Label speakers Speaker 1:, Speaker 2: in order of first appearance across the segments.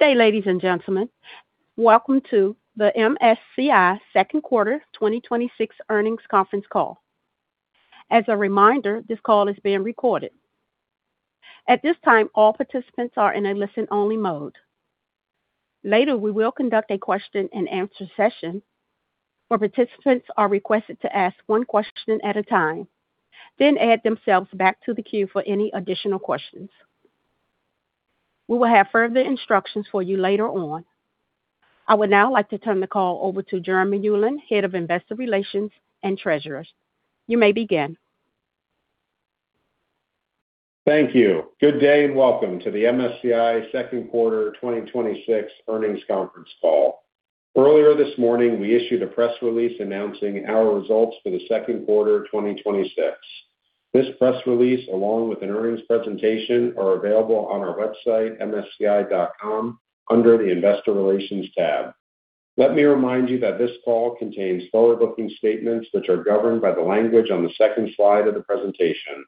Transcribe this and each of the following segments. Speaker 1: Good day, ladies and gentlemen. Welcome to the MSCI Second Quarter 2026 Earnings Conference Call. As a reminder, this call is being recorded. At this time, all participants are in a listen-only mode. Later, we will conduct a question and answer session where participants are requested to ask one question at a time, then add themselves back to the queue for any additional questions. We will have further instructions for you later on. I would now like to turn the call over to Jeremy Ulan, Head of Investor Relations and Treasurer. You may begin.
Speaker 2: Thank you. Good day, and welcome to the MSCI second quarter 2026 earnings conference call. Earlier this morning, we issued a press release announcing our results for the second quarter of 2026. This press release, along with an earnings presentation, are available on our website, msci.com, under the Investor Relations tab. Let me remind you that this call contains forward-looking statements that are governed by the language on the second slide of the presentation.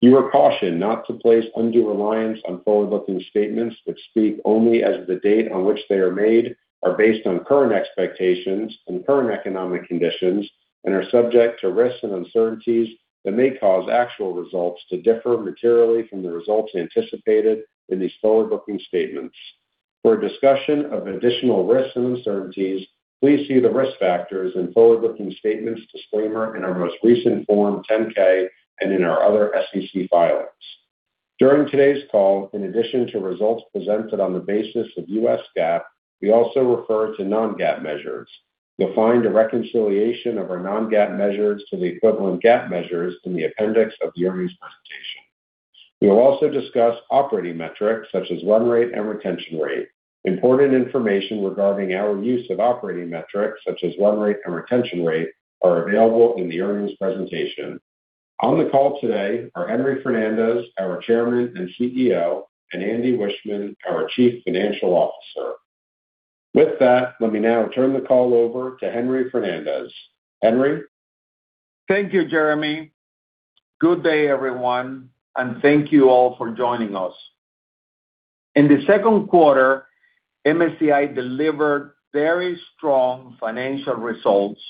Speaker 2: You are cautioned not to place undue reliance on forward-looking statements that speak only as of the date on which they are made, are based on current expectations and current economic conditions, and are subject to risks and uncertainties that may cause actual results to differ materially from the results anticipated in these forward-looking statements. For a discussion of additional risks and uncertainties, please see the Risk Factors and Forward-Looking Statements disclaimer in our most recent Form 10-K and in our other SEC filings. During today's call, in addition to results presented on the basis of U.S. GAAP, we also refer to non-GAAP measures. You'll find a reconciliation of our non-GAAP measures to the equivalent GAAP measures in the appendix of the earnings presentation. We will also discuss operating metrics such as run rate and retention rate. Important information regarding our use of operating metrics such as run rate and retention rate are available in the earnings presentation. On the call today are Henry Fernandez, our Chairman and CEO, and Andy Wiechmann, our Chief Financial Officer. With that, let me now turn the call over to Henry Fernandez. Henry?
Speaker 3: Thank you, Jeremy. Good day, everyone, and thank you all for joining us. In the second quarter, MSCI delivered very strong financial results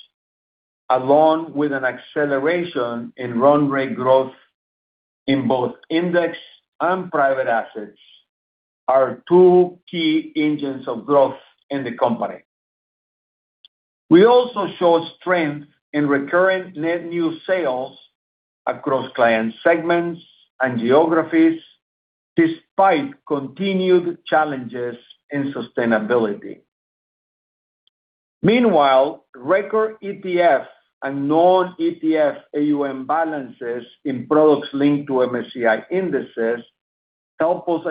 Speaker 3: along with an acceleration in run rate growth in both index and private assets, our two key engines of growth in the company. We also showed strength in recurring net new sales across client segments and geographies despite continued challenges in sustainability. Meanwhile, record ETF and non-ETF AUM balances in products linked to MSCI indices help us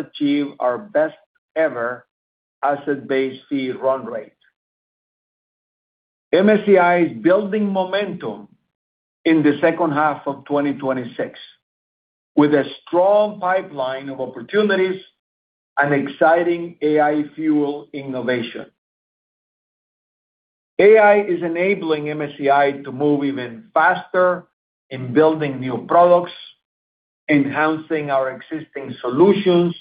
Speaker 3: achieve our best ever asset-based fee run rate. MSCI is building momentum in the second half of 2026 with a strong pipeline of opportunities and exciting AI-fueled innovation. AI is enabling MSCI to move even faster in building new products, enhancing our existing solutions,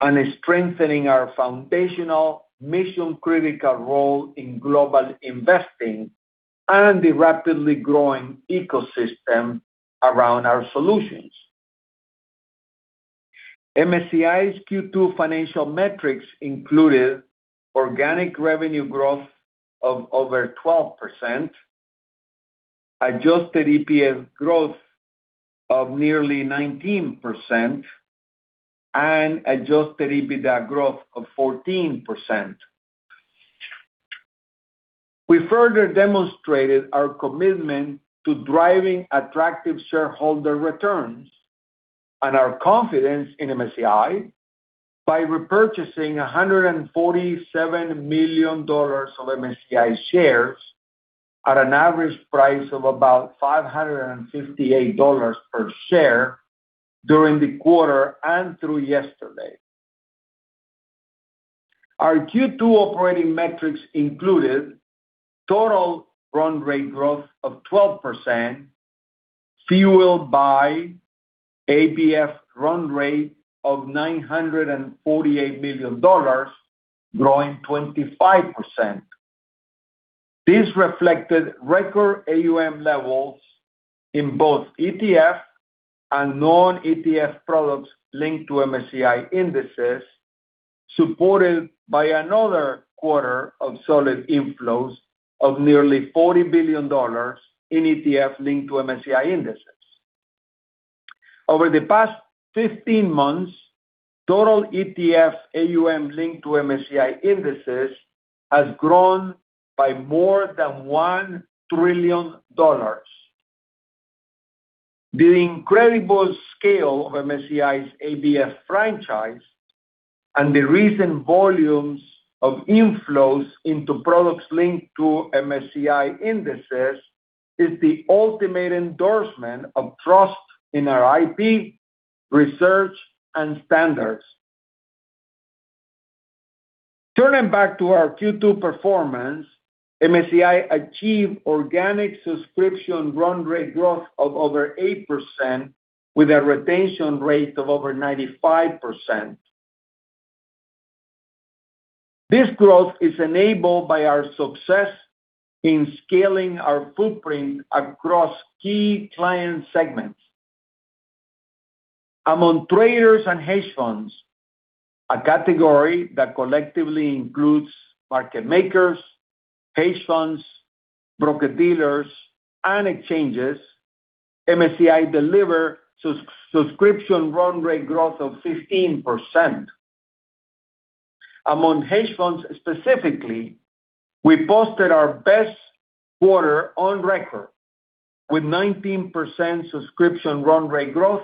Speaker 3: and strengthening our foundational mission-critical role in global investing and the rapidly growing ecosystem around our solutions. MSCI's Q2 financial metrics included organic revenue growth of over 12%, adjusted EPS growth of nearly 19%, and adjusted EBITDA growth of 14%. We further demonstrated our commitment to driving attractive shareholder returns and our confidence in MSCI by repurchasing $147 million of MSCI shares at an average price of about $558 per share during the quarter and through yesterday. Our Q2 operating metrics included total run rate growth of 12%, fueled by ABF run rate of $948 million, growing 25%. This reflected record AUM levels in both ETF and non-ETF products linked to MSCI indices, supported by another quarter of solid inflows of nearly $40 billion in ETF linked to MSCI indices. Over the past 15 months, total ETF AUM linked to MSCI indices has grown by more than $1 trillion. The incredible scale of MSCI's ABF franchise and the recent volumes of inflows into products linked to MSCI indices is the ultimate endorsement of trust in our IP, research, and standards. Turning back to our Q2 performance, MSCI achieved organic subscription run rate growth of over 8% with a retention rate of over 95%. This growth is enabled by our success in scaling our footprint across key client segments. Among traders and hedge funds, a category that collectively includes market makers, hedge funds, broker-dealers, and exchanges, MSCI deliver subscription run rate growth of 15%. Among hedge funds specifically, we posted our best quarter on record with 19% subscription run rate growth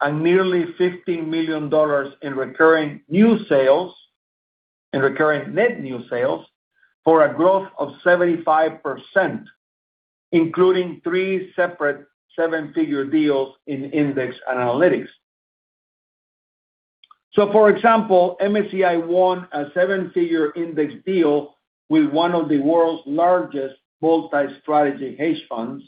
Speaker 3: and nearly $15 million in recurring net new sales for a growth of 75%, including three separate seven-figure deals in index analytics. For example, MSCI won a seven-figure index deal with one of the world's largest multi-strategy hedge funds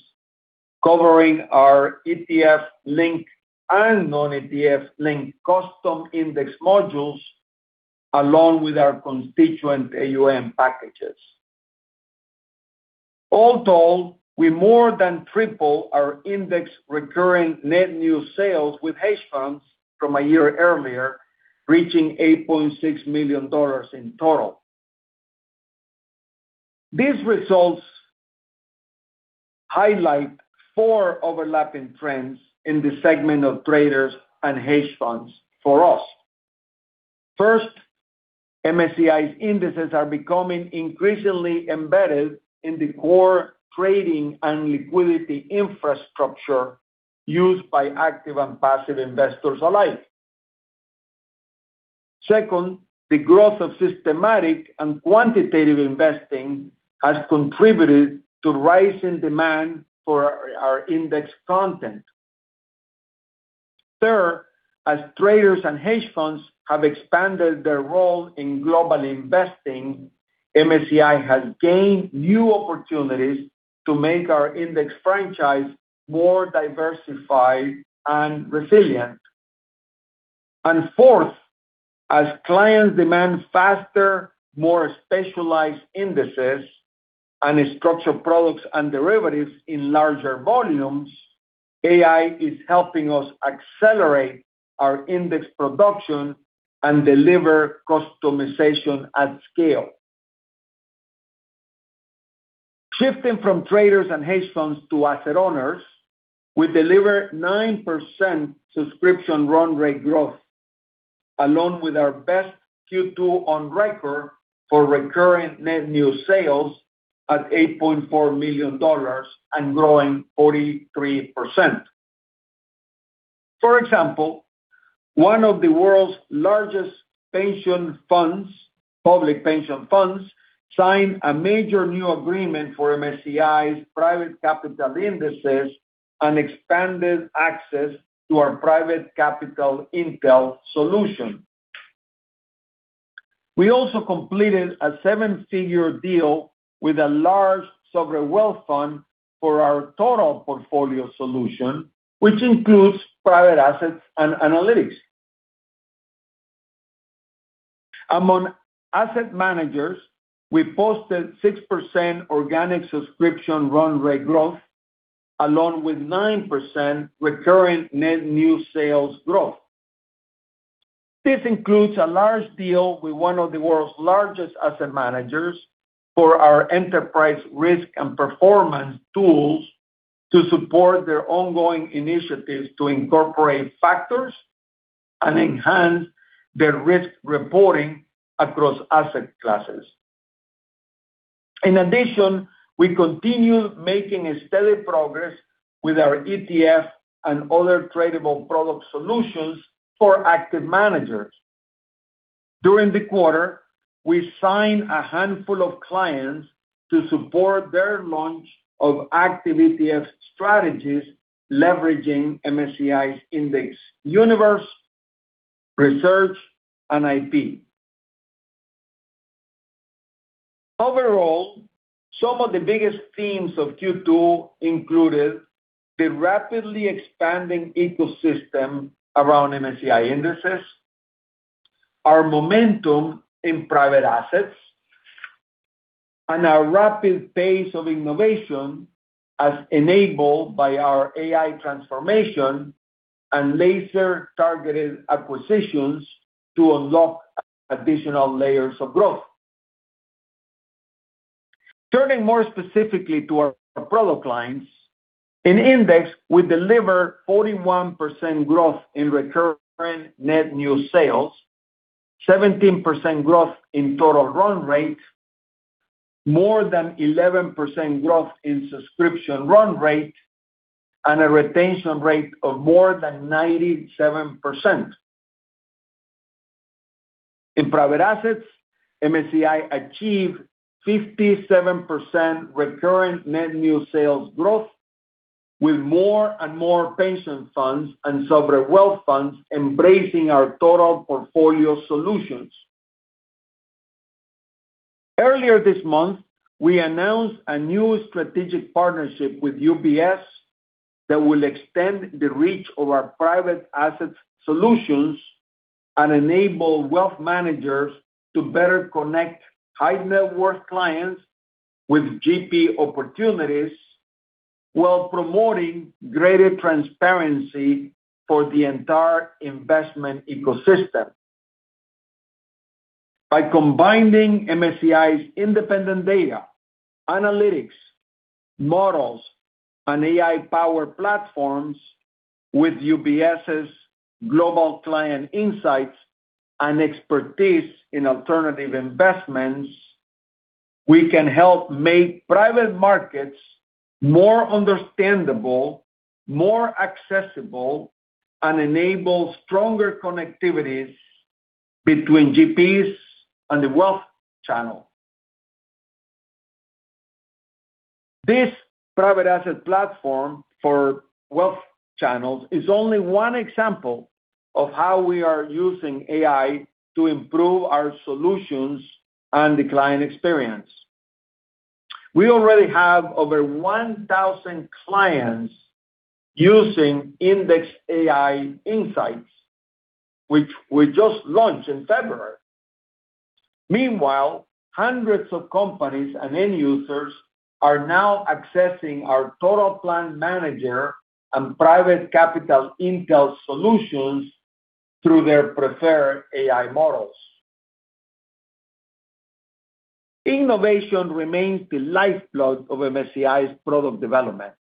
Speaker 3: covering our ETF-linked and non-ETF-linked custom index modules, along with our constituent AUM packages. All told, we more than triple our index recurring net new sales with hedge funds from a year earlier, reaching $8.6 million in total. These results highlight four overlapping trends in the segment of traders and hedge funds for us. First, MSCI's indices are becoming increasingly embedded in the core trading and liquidity infrastructure used by active and passive investors alike. Second, the growth of systematic and quantitative investing has contributed to rising demand for our index content. Third, as traders and hedge funds have expanded their role in global investing, MSCI has gained new opportunities to make our index franchise more diversified and resilient. Fourth, as clients demand faster, more specialized indices and structured products and derivatives in larger volumes, AI is helping us accelerate our index production and deliver customization at scale. Shifting from traders and hedge funds to asset owners, we deliver 9% subscription run rate growth along with our best Q2 on record for recurring net new sales at $8.4 million and growing 43%. For example, one of the world's largest public pension funds signed a major new agreement for MSCI's private capital indices and expanded access to our Private Capital Intel solution. We also completed a seven-figure deal with a large sovereign wealth fund for our total portfolio solution, which includes private assets and analytics. Among asset managers, we posted 6% organic subscription run rate growth, along with 9% recurring net new sales growth. This includes a large deal with one of the world's largest asset managers for our enterprise risk and performance tools to support their ongoing initiatives to incorporate factors and enhance their risk reporting across asset classes. In addition, we continue making a steady progress with our ETF and other tradable product solutions for active managers. During the quarter, we signed a handful of clients to support their launch of active ETF strategies leveraging MSCI's index universe, research, and IP. Overall, some of the biggest themes of Q2 included the rapidly expanding ecosystem around MSCI indices, our momentum in private assets, and our rapid pace of innovation as enabled by our AI transformation and laser-targeted acquisitions to unlock additional layers of growth. Turning more specifically to our product lines, in index, we deliver 41% growth in recurring net new sales, 17% growth in total run rate, more than 11% growth in subscription run rate, and a retention rate of more than 97%. In private assets, MSCI achieved 57% recurring net new sales growth With more and more pension funds and sovereign wealth funds embracing our total portfolio solutions. Earlier this month, we announced a new strategic partnership with UBS that will extend the reach of our private asset solutions and enable wealth managers to better connect high-net-worth clients with GP opportunities while promoting greater transparency for the entire investment ecosystem. By combining MSCI's independent data, analytics, models, and AI-powered platforms with UBS's global client insights and expertise in alternative investments, we can help make private markets more understandable, more accessible, and enable stronger connectivities between GPs and the wealth channel. This private asset platform for wealth channels is only one example of how we are using AI to improve our solutions and the client experience. We already have over 1,000 clients using Index AI Insights, which we just launched in February. Meanwhile, hundreds of companies and end users are now accessing our Total Plan Manager and Private Capital Intel solutions through their preferred AI models. Innovation remains the lifeblood of MSCI's product development,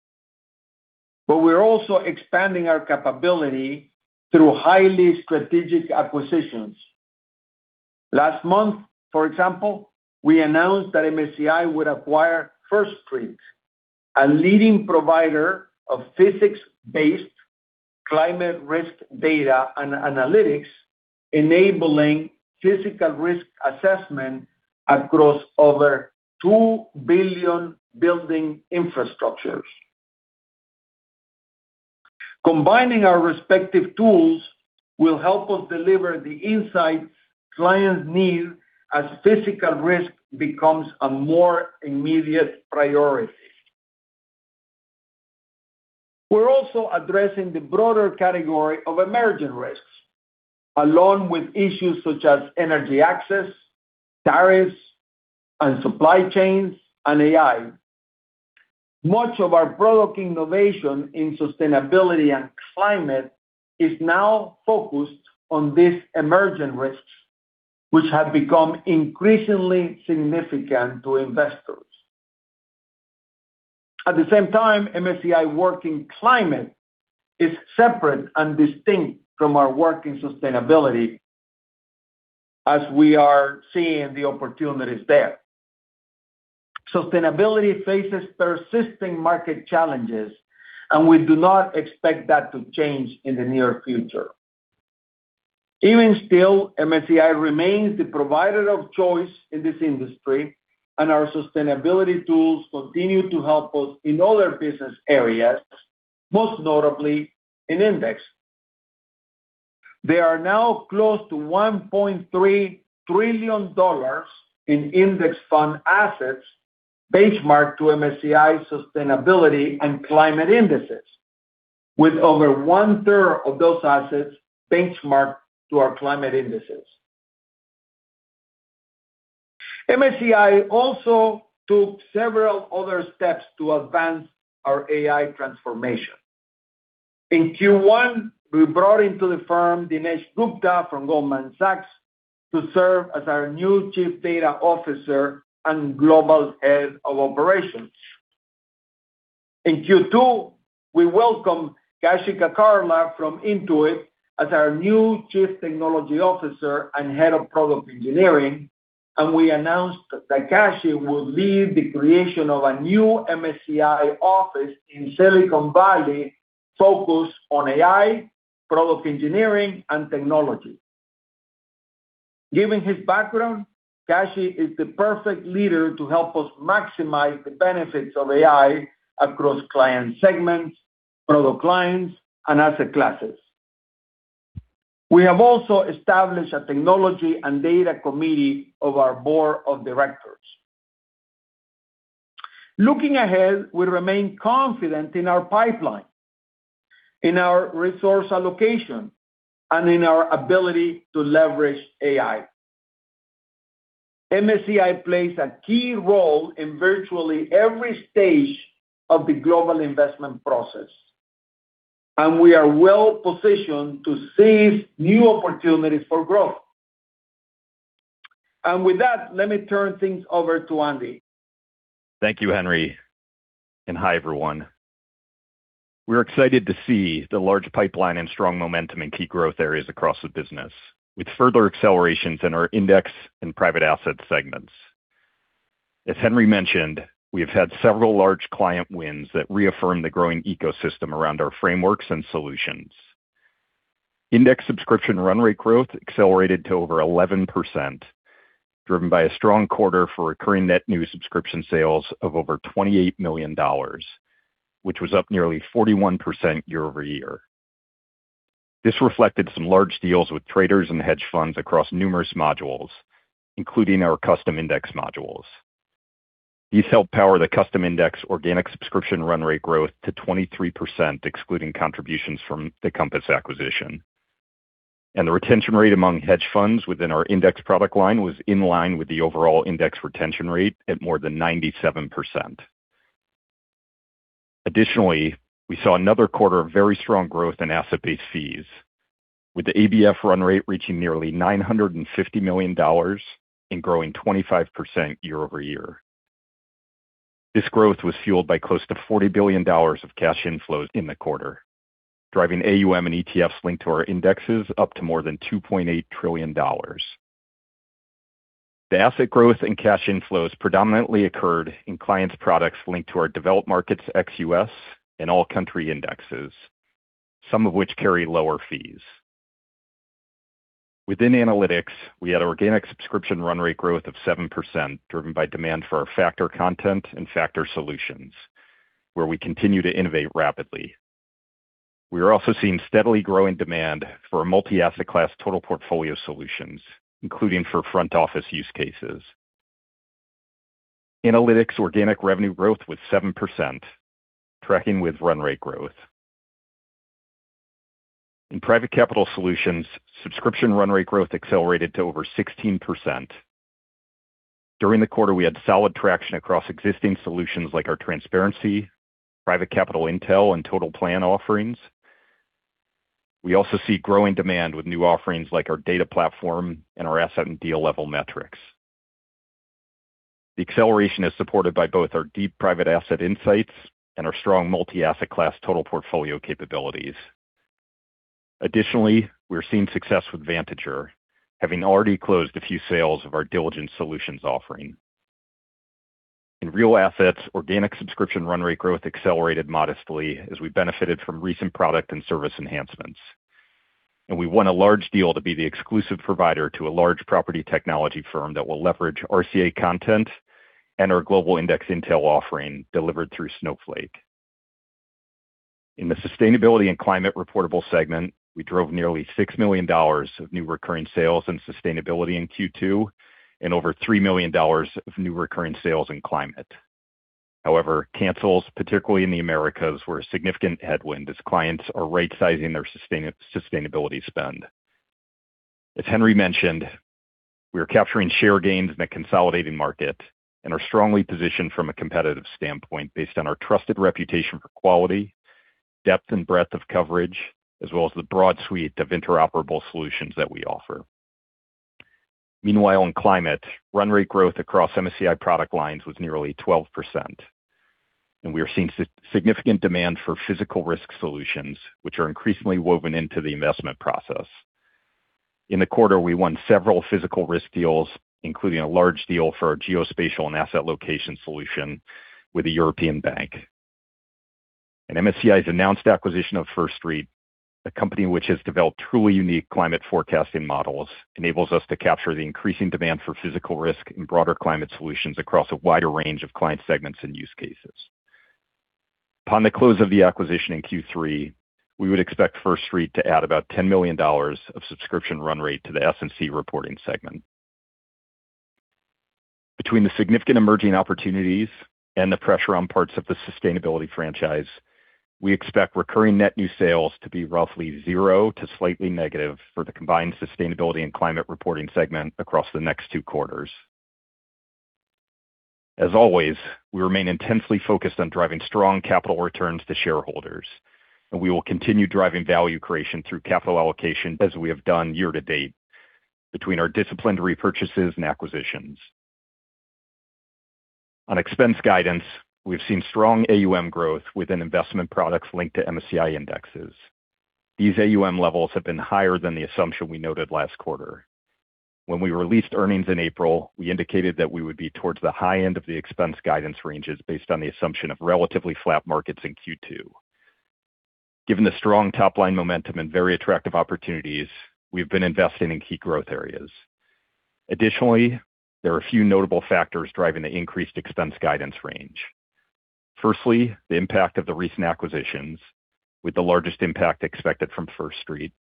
Speaker 3: but we're also expanding our capability through highly strategic acquisitions. Last month, for example, we announced that MSCI would acquire First Street, a leading provider of physics-based climate risk data and analytics, enabling physical risk assessment across over 2 billion building infrastructures. Combining our respective tools will help us deliver the insights clients need as physical risk becomes a more immediate priority. We're also addressing the broader category of emerging risks, along with issues such as energy access, tariffs, and supply chains, and AI. Much of our product innovation in sustainability and climate is now focused on these emerging risks, which have become increasingly significant to investors. At the same time, MSCI Working Climate is separate and distinct from our work in sustainability as we are seeing the opportunities there. Sustainability faces persisting market challenges, and we do not expect that to change in the near future. Even still, MSCI remains the provider of choice in this industry, and our sustainability tools continue to help us in other business areas, most notably in Index. There are now close to $1.3 trillion in index fund assets benchmarked to MSCI sustainability and climate indices, with over 1/3 of those assets benchmarked to our climate indices. MSCI also took several other steps to advance our AI transformation. In Q1, we brought into the firm Dinesh Gupta from Goldman Sachs to serve as our new Chief Data Officer and Global Head of Operations. In Q2, we welcome Kashi Kakarla from Intuit as our new Chief Technology Officer and Head of Product Engineering, and we announced that Kashi will lead the creation of a new MSCI office in Silicon Valley focused on AI, product engineering, and technology. Given his background, Kashi is the perfect leader to help us maximize the benefits of AI across client segments, product lines, and asset classes. We have also established a Technology and Data Committee of our Board of Directors. Looking ahead, we remain confident in our pipeline, in our resource allocation, and in our ability to leverage AI. MSCI plays a key role in virtually every stage of the global investment process, we are well positioned to seize new opportunities for growth. With that, let me turn things over to Andy.
Speaker 4: Thank you, Henry, hi, everyone. We're excited to see the large pipeline and strong momentum in key growth areas across the business, with further accelerations in our Index and Private Assets Segments. As Henry mentioned, we have had several large client wins that reaffirm the growing ecosystem around our frameworks and solutions. Index subscription run rate growth accelerated to over 11%, driven by a strong quarter for recurring net new subscription sales of over $28 million, which was up nearly 41% year-over-year. This reflected some large deals with traders and hedge funds across numerous modules, including our custom index modules. These help power the custom index organic subscription run rate growth to 23%, excluding contributions from the Compass acquisition. The retention rate among hedge funds within our index product line was in line with the overall index retention rate at more than 97%. Additionally, we saw another quarter of very strong growth in Asset-Based Fees, with the ABF run rate reaching nearly $950 million and growing 25% year-over-year. This growth was fueled by close to $40 billion of cash inflows in the quarter, driving AUM and ETFs linked to our indexes up to more than $2.8 trillion. The asset growth and cash inflows predominantly occurred in clients' products linked to our developed markets ex-U.S., and all country indexes, some of which carry lower fees. Within analytics, we had organic subscription run rate growth of 7%, driven by demand for our factor content and factor solutions, where we continue to innovate rapidly. We are also seeing steadily growing demand for our multi-asset class total portfolio solutions, including for front office use cases. Analytics Organic Revenue Growth was 7%, tracking with run rate growth. In private capital solutions, subscription run rate growth accelerated to over 16%. During the quarter, we had solid traction across existing solutions like our transparency, Private Capital Intel, and total plan offerings. We also see growing demand with new offerings like our data platform and our asset and deal level metrics. The acceleration is supported by both our deep private asset insights and our strong multi-asset class total portfolio capabilities. Additionally, we're seeing success with Vantager, having already closed a few sales of our diligence solutions offering. In real assets, organic subscription run rate growth accelerated modestly as we benefited from recent product and service enhancements, and we won a large deal to be the exclusive provider to a large property technology firm that will leverage RCA content and our global index intel offering delivered through Snowflake. In the sustainability and climate reportable segment, we drove nearly $6 million of new recurring sales in sustainability in Q2, and over $3 million of new recurring sales in climate. Cancels, particularly in the Americas, were a significant headwind as clients are rightsizing their sustainability spend. As Henry mentioned, we are capturing share gains in a consolidating market and are strongly positioned from a competitive standpoint based on our trusted reputation for quality, depth, and breadth of coverage, as well as the broad suite of interoperable solutions that we offer. Meanwhile, in climate, run rate growth across MSCI product lines was nearly 12%, and we are seeing significant demand for physical risk solutions, which are increasingly woven into the investment process. In the quarter, we won several physical risk deals, including a large deal for our geospatial and asset location solution with a European bank. MSCI's announced acquisition of First Street, a company which has developed truly unique climate forecasting models, enables us to capture the increasing demand for physical risk and broader climate solutions across a wider range of client segments and use cases. Upon the close of the acquisition in Q3, we would expect First Street to add about $10 million of subscription run rate to the S&C reporting segment. Between the significant emerging opportunities and the pressure on parts of the sustainability franchise, we expect recurring net new sales to be roughly zero to slightly negative for the combined sustainability and climate reporting segment across the next two quarters. As always, we remain intensely focused on driving strong capital returns to shareholders, and we will continue driving value creation through capital allocation as we have done year to date between our disciplined repurchases and acquisitions. On expense guidance, we've seen strong AUM growth within investment products linked to MSCI indexes. These AUM levels have been higher than the assumption we noted last quarter. When we released earnings in April, we indicated that we would be towards the high end of the expense guidance ranges based on the assumption of relatively flat markets in Q2. Given the strong top-line momentum and very attractive opportunities, we've been investing in key growth areas. Additionally, there are a few notable factors driving the increased expense guidance range. Firstly, the impact of the recent acquisitions, with the largest impact expected from First Street.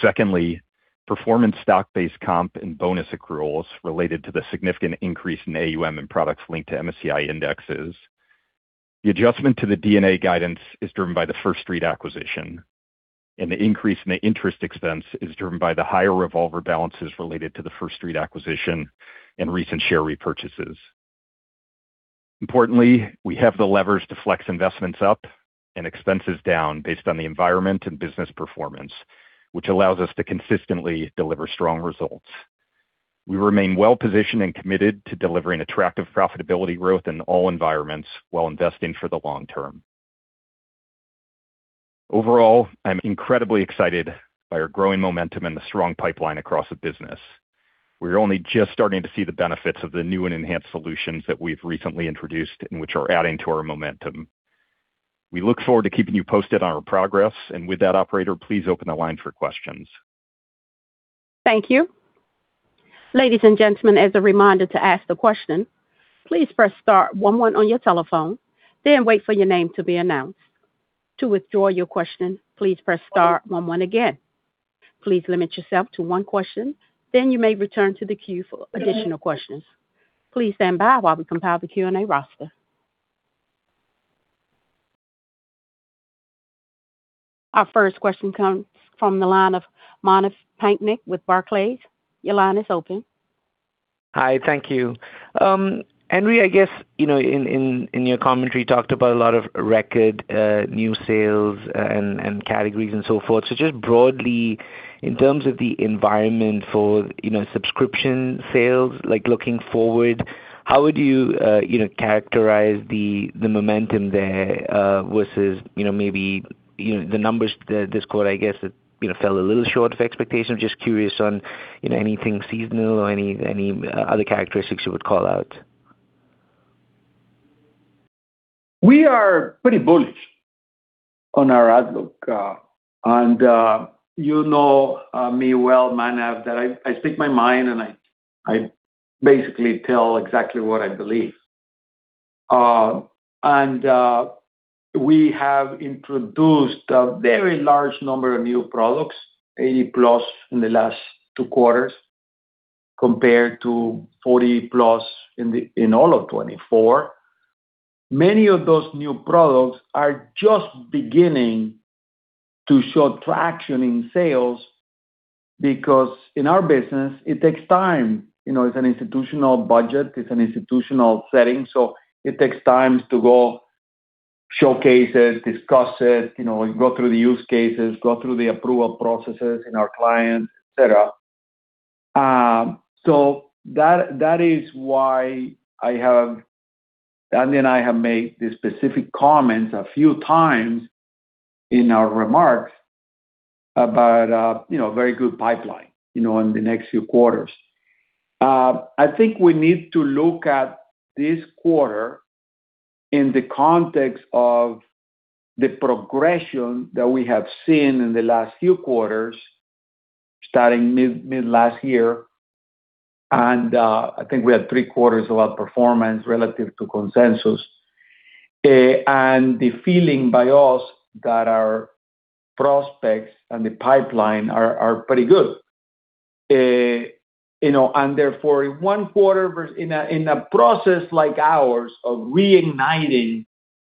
Speaker 4: Secondly, performance stock-based comp and bonus accruals related to the significant increase in AUM and products linked to MSCI indexes. The adjustment to the D&A guidance is driven by the First Street acquisition, the increase in the interest expense is driven by the higher revolver balances related to the First Street acquisition and recent share repurchases. Importantly, we have the levers to flex investments up and expenses down based on the environment and business performance, which allows us to consistently deliver strong results. We remain well positioned and committed to delivering attractive profitability growth in all environments while investing for the long term. Overall, I'm incredibly excited by our growing momentum and the strong pipeline across the business. We're only just starting to see the benefits of the new and enhanced solutions that we've recently introduced and which are adding to our momentum. We look forward to keeping you posted on our progress. With that, operator, please open the line for questions.
Speaker 1: Thank you. Ladies and gentlemen, as a reminder to ask the question, please press star one one on your telephone, wait for your name to be announced. To withdraw your question, please press star one one again. Please limit yourself to one question. You may return to the queue for additional questions. Please stand by while we compile the Q&A roster. Our first question comes from the line of Manav Patnaik with Barclays. Your line is open.
Speaker 5: Hi. Thank you. Henry, I guess, in your commentary, you talked about a lot of record new sales and categories and so forth. Just broadly, in terms of the environment for subscription sales, looking forward, how would you characterize the momentum there versus maybe the numbers this quarter, I guess, that fell a little short of expectations. I'm just curious on anything seasonal or any other characteristics you would call out.
Speaker 3: We are pretty bullish on our outlook. You know me well, Manav, that I speak my mind and I basically tell exactly what I believe. We have introduced a very large number of new products, 80+ in the last two quarters, compared to 40+ in all of 2024. Many of those new products are just beginning to show traction in sales because in our business, it takes time. It's an institutional budget, it's an institutional setting, it takes time to go showcase it, discuss it, go through the use cases, go through the approval processes in our clients, et cetera. That is why Andy and I have made the specific comments a few times in our remarks about very good pipeline in the next few quarters. I think we need to look at this quarter in the context of the progression that we have seen in the last few quarters, starting mid last year. I think we had three quarters of outperformance relative to consensus. The feeling by us that our prospects and the pipeline are pretty good. Therefore, in a process like ours of reigniting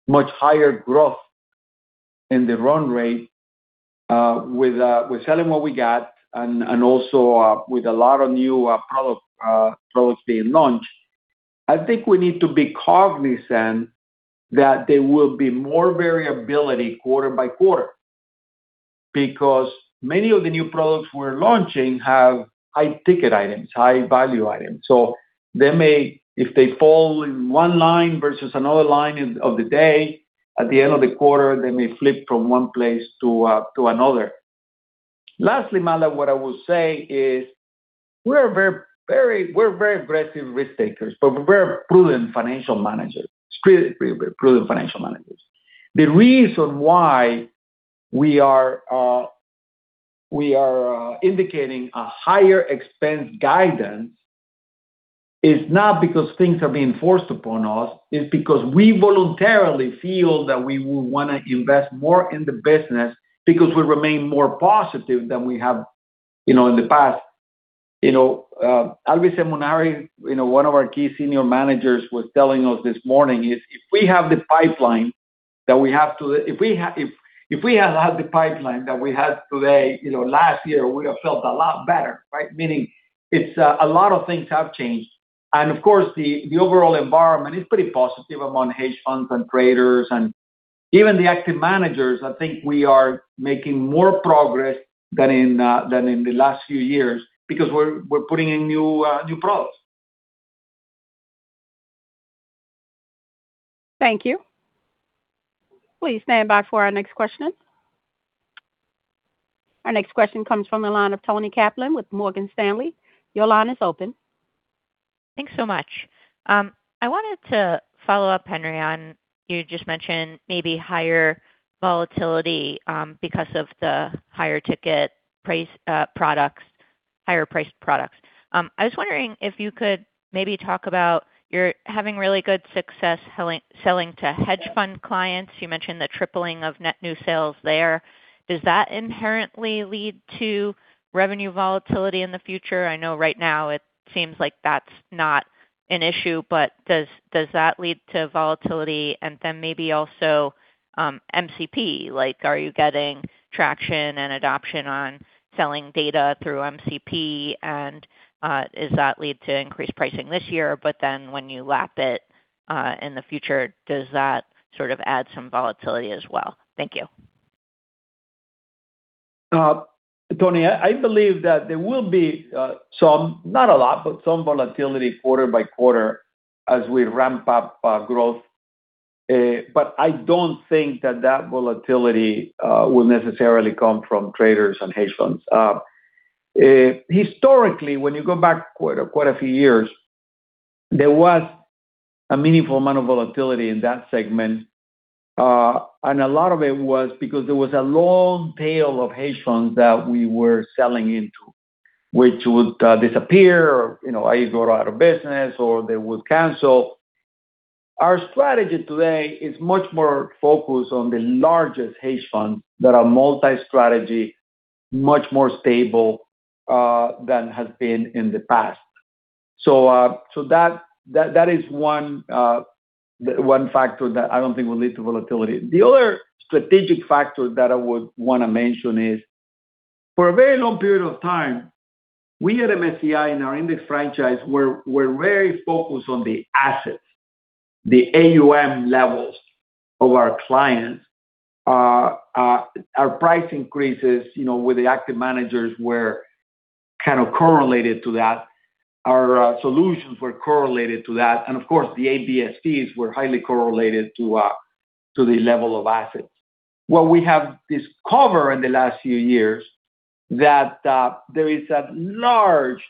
Speaker 3: much higher growth in the run rate with selling what we got and also with a lot of new products being launched, I think we need to be cognizant that there will be more variability quarter by quarter, because many of the new products we're launching have high ticket items, high value items. If they fall in one line versus another line of the day, at the end of the quarter, they may flip from one place to another. Lastly, Manav, what I will say is we're very aggressive risk takers, but we're prudent financial managers. Extremely prudent financial managers. The reason why we are indicating a higher expense guidance is not because things are being forced upon us, it's because we voluntarily feel that we would want to invest more in the business because we remain more positive than we have in the past. Alvise Munari, one of our key senior managers, was telling us this morning, if we had the pipeline that we have today last year, we would have felt a lot better, right? Meaning a lot of things have changed. Of course, the overall environment is pretty positive among hedge funds and traders and even the active managers. I think we are making more progress than in the last few years because we're putting in new products.
Speaker 1: Thank you. Please stand by for our next question. Our next question comes from the line of Toni Kaplan with Morgan Stanley. Your line is open.
Speaker 6: Thanks so much. I wanted to follow up, Henry, on you just mentioned maybe higher volatility because of the higher priced products. I was wondering if you could maybe talk about you're having really good success selling to hedge fund clients. You mentioned the tripling of net new sales there. Does that inherently lead to revenue volatility in the future? I know right now it seems like that's not an issue, but does that lead to volatility? Then maybe also MCP, are you getting traction and adoption on selling data through MCP? Does that lead to increased pricing this year? When you lap it in the future, does that sort of add some volatility as well? Thank you.
Speaker 3: Toni, I believe that there will be some, not a lot, but some volatility quarter by quarter as we ramp up growth. I don't think that that volatility will necessarily come from traders and hedge funds. Historically, when you go back quite a few years, there was a meaningful amount of volatility in that segment. A lot of it was because there was a long tail of hedge funds that we were selling into, which would disappear or either go out of business, or they would cancel. Our strategy today is much more focused on the largest hedge funds that are multi-strategy, much more stable than has been in the past. That is one factor that I don't think will lead to volatility. The other strategic factor that I would want to mention is, for a very long period of time, we at MSCI, in our index franchise, we're very focused on the assets, the AUM levels of our clients. Our price increases with the active managers were kind of correlated to that. Our solutions were correlated to that. Of course, the ABFs were highly correlated to the level of assets. What we have discovered in the last few years, that there is a large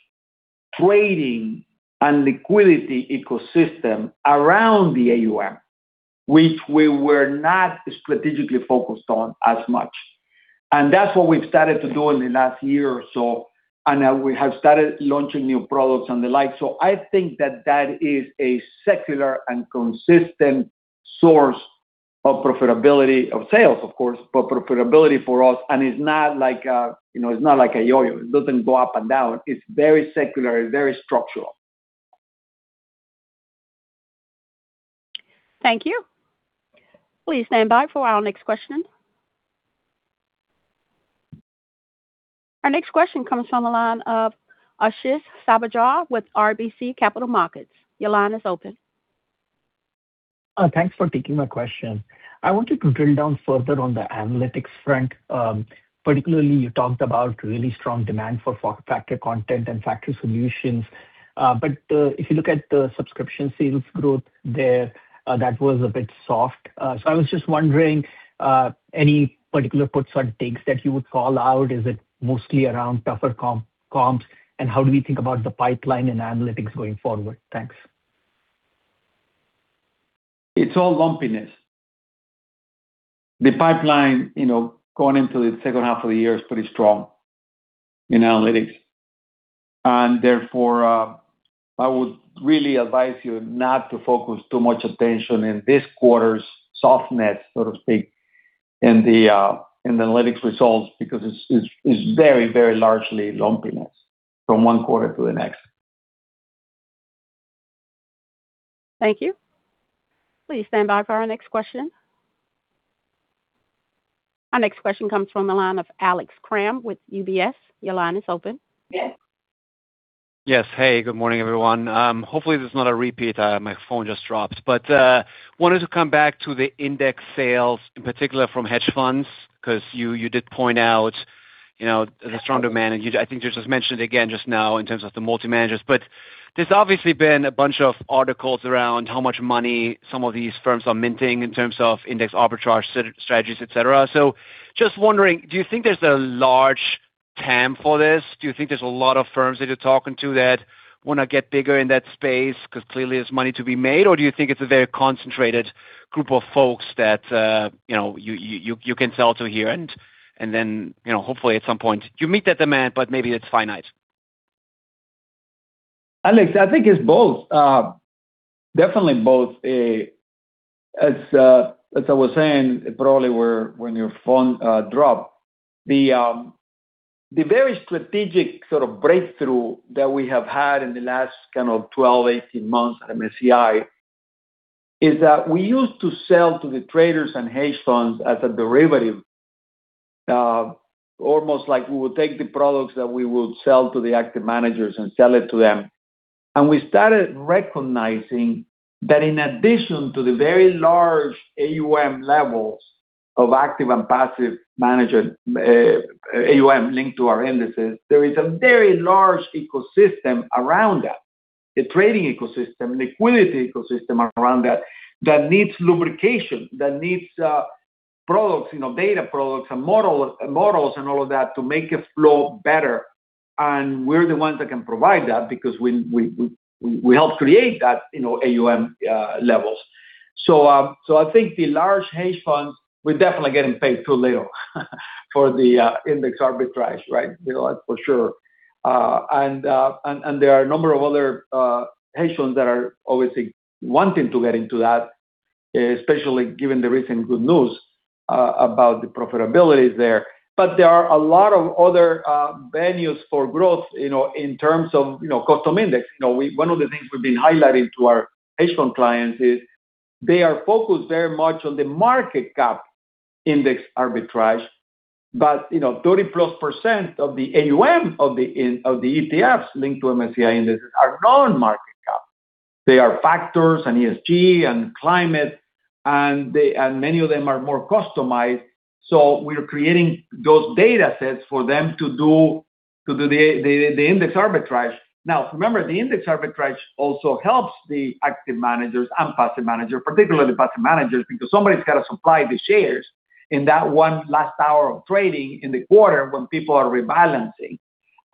Speaker 3: trading and liquidity ecosystem around the AUM, which we were not strategically focused on as much. That's what we've started to do in the last year or so, and we have started launching new products and the like. I think that that is a secular and consistent source of profitability, of sales, of course, but profitability for us, and it's not like a yo-yo. It doesn't go up and down. It's very secular, very structural.
Speaker 1: Thank you. Please stand by for our next question. Our next question comes from the line of Ashish Sabadra with RBC Capital Markets. Your line is open.
Speaker 7: Thanks for taking my question. I wanted to drill down further on the analytics front. Particularly, you talked about really strong demand for factor content and factor solutions. If you look at the subscription sales growth there, that was a bit soft. I was just wondering, any particular puts or takes that you would call out? Is it mostly around tougher comps? How do we think about the pipeline and analytics going forward? Thanks.
Speaker 3: It's all lumpiness. The pipeline, going into the second half of the year is pretty strong in analytics. Therefore, I would really advise you not to focus too much attention in this quarter's softness, so to speak, in the analytics results, because it's very largely lumpiness from one quarter to the next.
Speaker 1: Thank you. Please stand by for our next question. Our next question comes from the line of Alex Kramm with UBS. Your line is open.
Speaker 8: Yes. Hey, good morning, everyone. Hopefully this is not a repeat. My phone just dropped. Wanted to come back to the index sales, in particular from hedge funds, because you did point out the strong demand, and I think you just mentioned again just now in terms of the multi-managers. There's obviously been a bunch of articles around how much money some of these firms are minting in terms of index arbitrage strategies, et cetera. Just wondering, do you think there's a large TAM for this? Do you think there's a lot of firms that you're talking to that want to get bigger in that space because clearly there's money to be made, or do you think it's a very concentrated group of folks that you can sell to here, and then hopefully at some point you meet that demand, but maybe it's finite?
Speaker 3: Alex, I think it's both. Definitely both. As I was saying, probably when your phone dropped. The very strategic sort of breakthrough that we have had in the last kind of 12, 18 months at MSCI is that we used to sell to the traders and hedge funds as a derivative. Almost like we would take the products that we would sell to the active managers and sell it to them. We started recognizing that in addition to the very large AUM levels of active and passive manager AUM linked to our indices, there is a very large ecosystem around that. A trading ecosystem, a liquidity ecosystem around that needs lubrication, that needs products, data products and models and all of that to make it flow better. We're the ones that can provide that because we helped create that AUM levels. I think the large hedge funds, we're definitely getting paid too little for the index arbitrage, right? That's for sure. There are a number of other hedge funds that are obviously wanting to get into that, especially given the recent good news about the profitability there. There are a lot of other venues for growth, in terms of custom index. One of the things we've been highlighting to our hedge fund clients is they are focused very much on the market cap index arbitrage. 30%+ of the AUM of the ETFs linked to MSCI indices are non-market cap. They are factors in ESG and climate, and many of them are more customized. We're creating those data sets for them to do the index arbitrage. Now, remember, the index arbitrage also helps the active managers and passive managers, particularly passive managers, because somebody's got to supply the shares in that one last hour of trading in the quarter when people are rebalancing.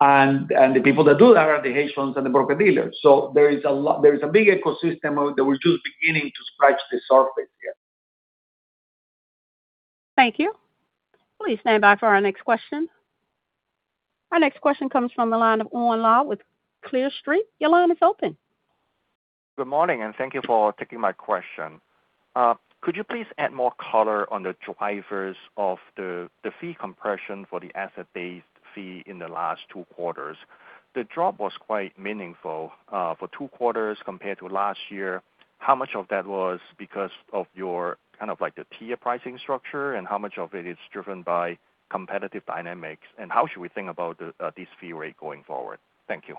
Speaker 3: The people that do that are the hedge funds and the broker-dealers. There is a big ecosystem that we're just beginning to scratch the surface here.
Speaker 1: Thank you. Please stand by for our next question. Our next question comes from the line of Owen Lau with Clear Street. Your line is open.
Speaker 9: Good morning, and thank you for taking my question. Could you please add more color on the drivers of the fee compression for the Asset-Based Fee in the last two quarters? The drop was quite meaningful for two quarters compared to last year. How much of that was because of your tier pricing structure, and how much of it is driven by competitive dynamics? How should we think about this fee rate going forward? Thank you.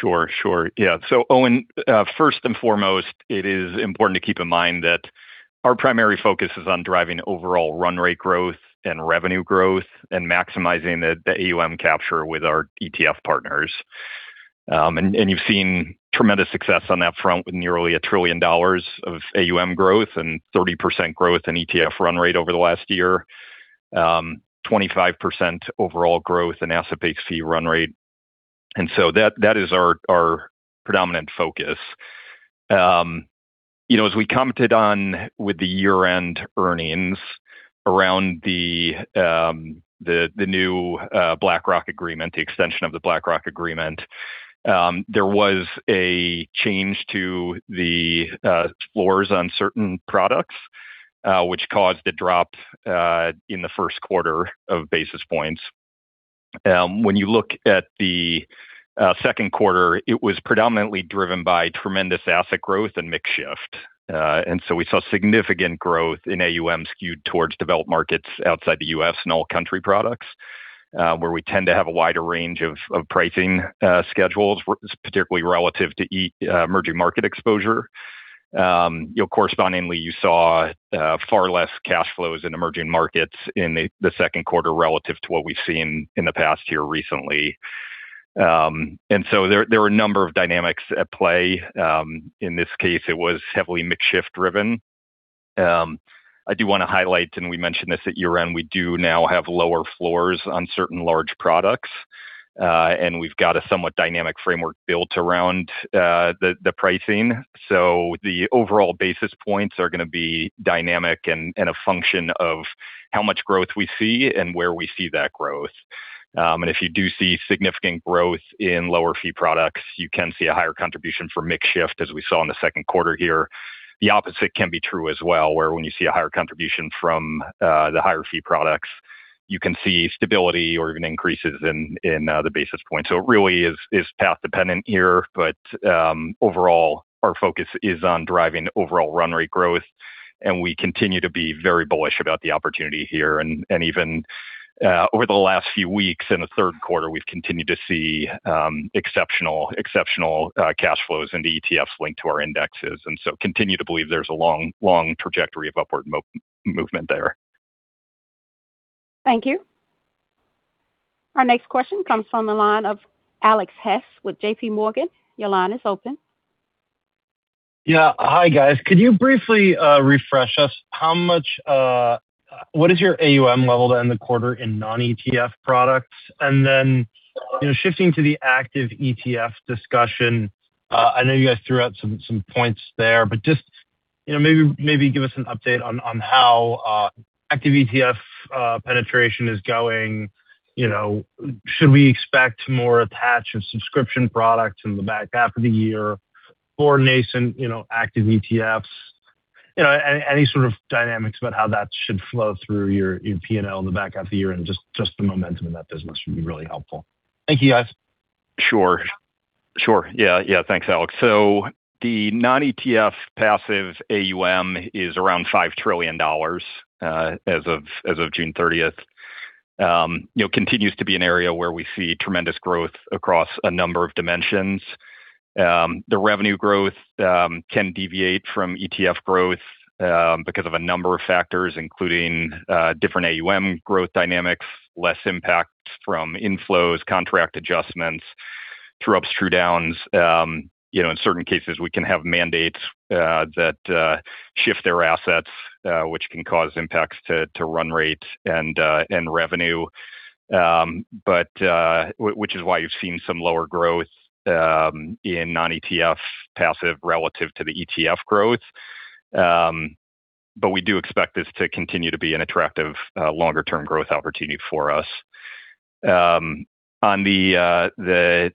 Speaker 4: Sure. Yeah. Owen, first and foremost, it is important to keep in mind that our primary focus is on driving overall run rate growth and revenue growth and maximizing the AUM capture with our ETF partners. You've seen tremendous success on that front with nearly $1 trillion of AUM growth and 30% growth in ETF run rate over the last year, 25% overall growth in Asset-Based Fee run rate. That is our predominant focus. As we commented on with the year-end earnings around the new BlackRock agreement, the extension of the BlackRock agreement, there was a change to the floors on certain products, which caused a drop in the first quarter of basis points. When you look at the second quarter, it was predominantly driven by tremendous asset growth and mix shift. We saw significant growth in AUM skewed towards developed markets outside the U.S. and all country products, where we tend to have a wider range of pricing schedules, particularly relative to emerging market exposure. Correspondingly, you saw far less cash flows in emerging markets in the second quarter relative to what we've seen in the past year recently. There are a number of dynamics at play. In this case, it was heavily mix shift driven. I do want to highlight, and we mentioned this at year-end, we do now have lower floors on certain large products. We've got a somewhat dynamic framework built around the pricing. The overall basis points are going to be dynamic and a function of how much growth we see and where we see that growth. If you do see significant growth in lower fee products, you can see a higher contribution from mix shift, as we saw in the second quarter here. The opposite can be true as well, where when you see a higher contribution from the higher fee products, you can see stability or even increases in the basis points. It really is path dependent here. Overall, our focus is on driving overall run rate growth, and we continue to be very bullish about the opportunity here. Even over the last few weeks in the third quarter, we've continued to see exceptional cash flows into ETFs linked to our indexes, continue to believe there's a long trajectory of upward movement there.
Speaker 1: Thank you. Our next question comes from the line of Alex Hess with JPMorgan. Your line is open.
Speaker 10: Yeah. Hi, guys. Could you briefly refresh us, what is your AUM level to end the quarter in non-ETF products? Shifting to the active ETF discussion, I know you guys threw out some points there, but just maybe give us an update on how active ETF penetration is going. Should we expect more attach of subscription products in the back half of the year for nascent active ETFs? Any sort of dynamics about how that should flow through your P&L in the back half of the year and just the momentum in that business would be really helpful. Thank you, guys.
Speaker 4: Sure. Yeah. Thanks, Alex. The non-ETF passive AUM is around $5 trillion as of June 30th. Continues to be an area where we see tremendous growth across a number of dimensions. The revenue growth can deviate from ETF growth because of a number of factors, including different AUM growth dynamics, less impact from inflows, contract adjustments, true-ups, true-downs. In certain cases, we can have mandates that shift their assets, which can cause impacts to run rate and revenue, which is why you've seen some lower growth in non-ETF passive relative to the ETF growth. We do expect this to continue to be an attractive longer-term growth opportunity for us. On the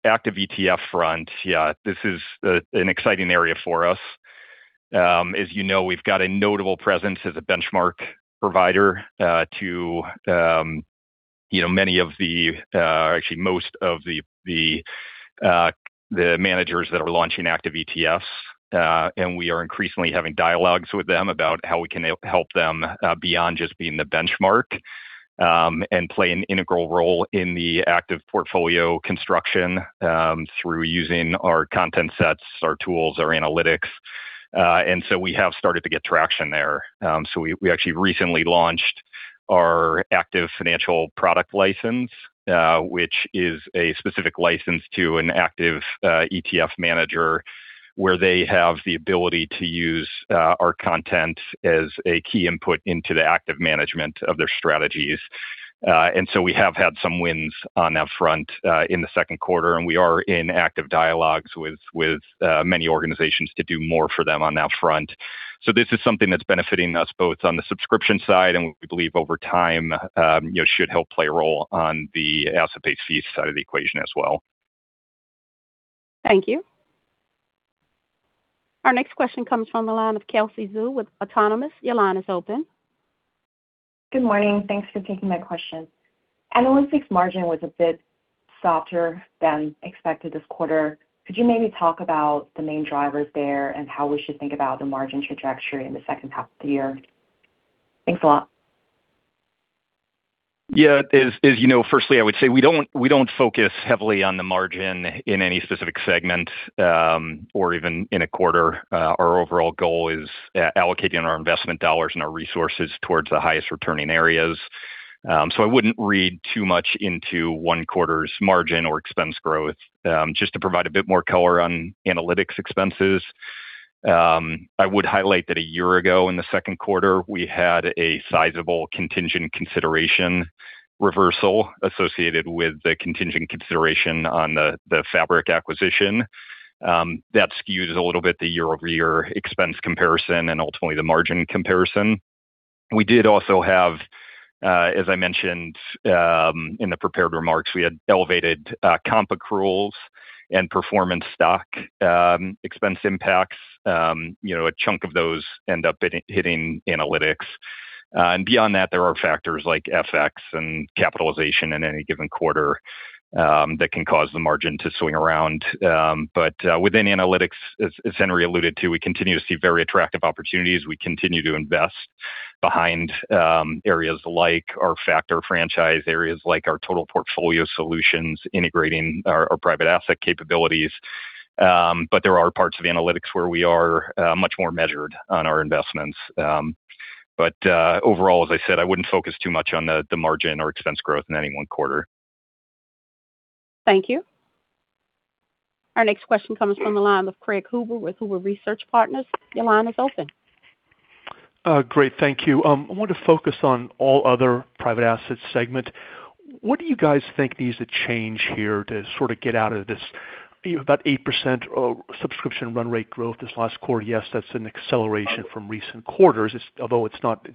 Speaker 4: active ETF front, yeah, this is an exciting area for us. As you know, we've got a notable presence as a benchmark provider to most of the managers that are launching active ETFs. We are increasingly having dialogues with them about how we can help them beyond just being the benchmark and play an integral role in the active portfolio construction through using our content sets, our tools, our analytics. We have started to get traction there. We actually recently launched our active financial product license, which is a specific license to an active ETF manager, where they have the ability to use our content as a key input into the active management of their strategies. We have had some wins on that front in the second quarter, and we are in active dialogues with many organizations to do more for them on that front. This is something that's benefiting us both on the subscription side, and we believe over time should help play a role on the asset-based fees side of the equation as well.
Speaker 1: Thank you. Our next question comes from the line of Kelsey Zhu with Autonomous. Your line is open.
Speaker 11: Good morning. Thanks for taking my question. Analytics margin was a bit softer than expected this quarter. Could you maybe talk about the main drivers there and how we should think about the margin trajectory in the second half of the year? Thanks a lot.
Speaker 4: Yeah. As you know, firstly, I would say we don't focus heavily on the margin in any specific segment, or even in a quarter. Our overall goal is allocating our investment dollars and our resources towards the highest returning areas. I wouldn't read too much into one quarter's margin or expense growth. Just to provide a bit more color on analytics expenses, I would highlight that a year ago in the second quarter, we had a sizable contingent consideration reversal associated with the contingent consideration on the Fabric acquisition. That skewed a little bit the year-over-year expense comparison and ultimately the margin comparison. We did also have, as I mentioned in the prepared remarks, we had elevated comp accruals and performance stock expense impacts. A chunk of those end up hitting analytics. Beyond that, there are factors like FX and capitalization in any given quarter that can cause the margin to swing around. Within analytics, as Henry alluded to, we continue to see very attractive opportunities. We continue to invest behind areas like our factor franchise, areas like our total portfolio solutions, integrating our private asset capabilities. There are parts of analytics where we are much more measured on our investments. Overall, as I said, I wouldn't focus too much on the margin or expense growth in any one quarter.
Speaker 1: Thank you. Our next question comes from the line of Craig Huber with Huber Research Partners. Your line is open.
Speaker 12: Great. Thank you. I want to focus on all other private assets segment. What do you guys think needs to change here to sort of get out of this about 8% subscription run rate growth this last quarter? Yes, that's an acceleration from recent quarters. Although it's not as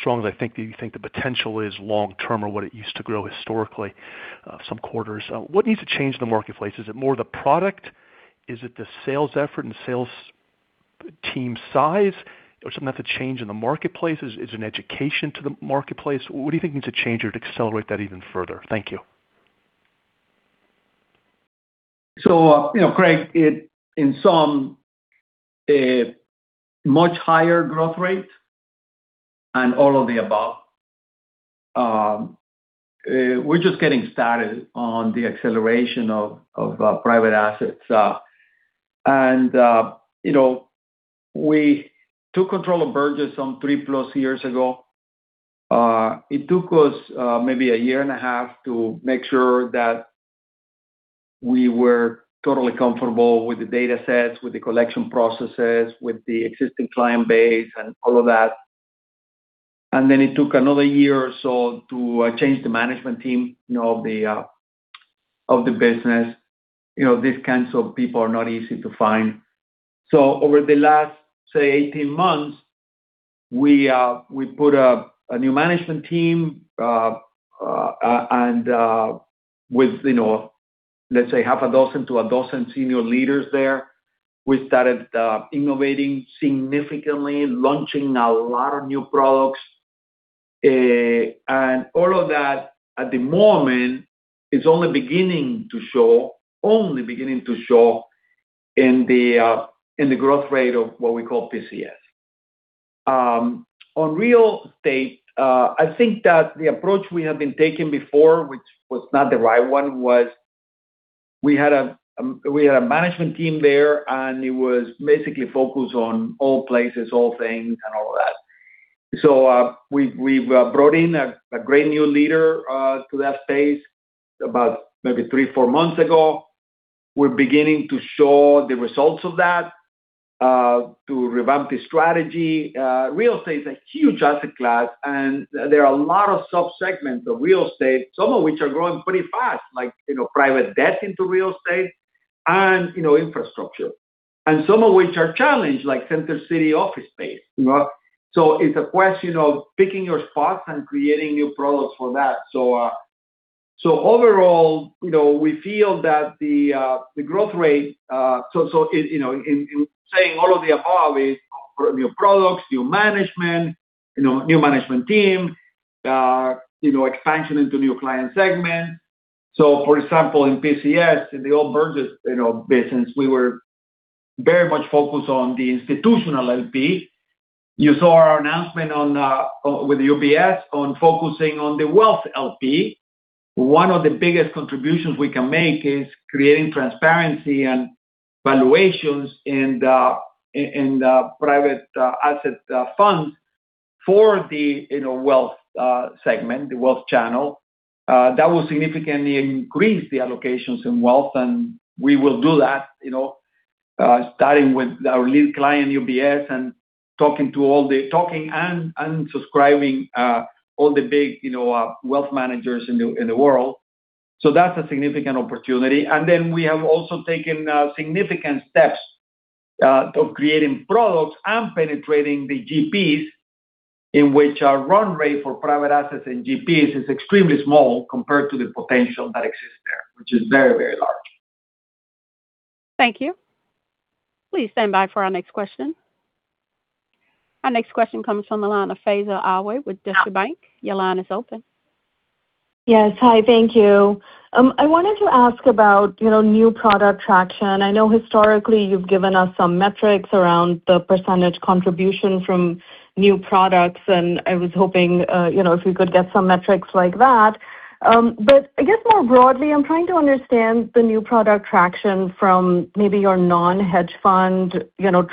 Speaker 12: strong as I think that you think the potential is long-term or what it used to grow historically some quarters. What needs to change in the marketplace? Is it more the product? Is it the sales effort and sales team size or something that's a change in the marketplace? Is it an education to the marketplace? What do you think needs to change or to accelerate that even further? Thank you.
Speaker 3: Craig, in some, a much higher growth rate and all of the above. We're just getting started on the acceleration of private assets. We took control of Burgiss some three-plus years ago. It took us maybe 1.5 year to make sure that we were totally comfortable with the data sets, with the collection processes, with the existing client base and all of that. It took another year or so to change the management team of the business. These kinds of people are not easy to find. Over the last, say, 18 months, we put a new management team, and with let's say half a dozen to a dozen senior leaders there. We started innovating significantly, launching a lot of new products. All of that at the moment is only beginning to show in the growth rate of what we call PCS. On real estate, I think that the approach we have been taking before, which was not the right one, was we had a management team there, and it was basically focused on all places, all things, and all that. We brought in a great new leader to that space about maybe three, four months ago. We're beginning to show the results of that to revamp the strategy. Real estate is a huge asset class, and there are a lot of sub-segments of real estate, some of which are growing pretty fast, like private debt into real estate and infrastructure. Some of which are challenged, like center city office space. It's a question of picking your spots and creating new products for that. Overall, we feel that new products, new management team, expansion into new client segment. For example, in PCS, in the old Burgiss business, we were very much focused on the institutional LP. You saw our announcement with UBS on focusing on the wealth LP. One of the biggest contributions we can make is creating transparency and valuations in the private asset funds for the wealth segment, the wealth channel. That will significantly increase the allocations in wealth, and we will do that starting with our lead client, UBS, and talking and subscribing all the big wealth managers in the world. That's a significant opportunity. We have also taken significant steps of creating products and penetrating the GPs, in which our run rate for private assets and GPs is extremely small compared to the potential that exists there, which is very, very large.
Speaker 1: Thank you. Please stand by for our next question. Our next question comes from the line of Faiza Alwy with Deutsche Bank. Your line is open.
Speaker 13: Yes. Hi, thank you. I wanted to ask about new product traction. I know historically you've given us some metrics around the percentage contribution from new products, and I was hoping if we could get some metrics like that. I guess more broadly, I'm trying to understand the new product traction from maybe your non-hedge fund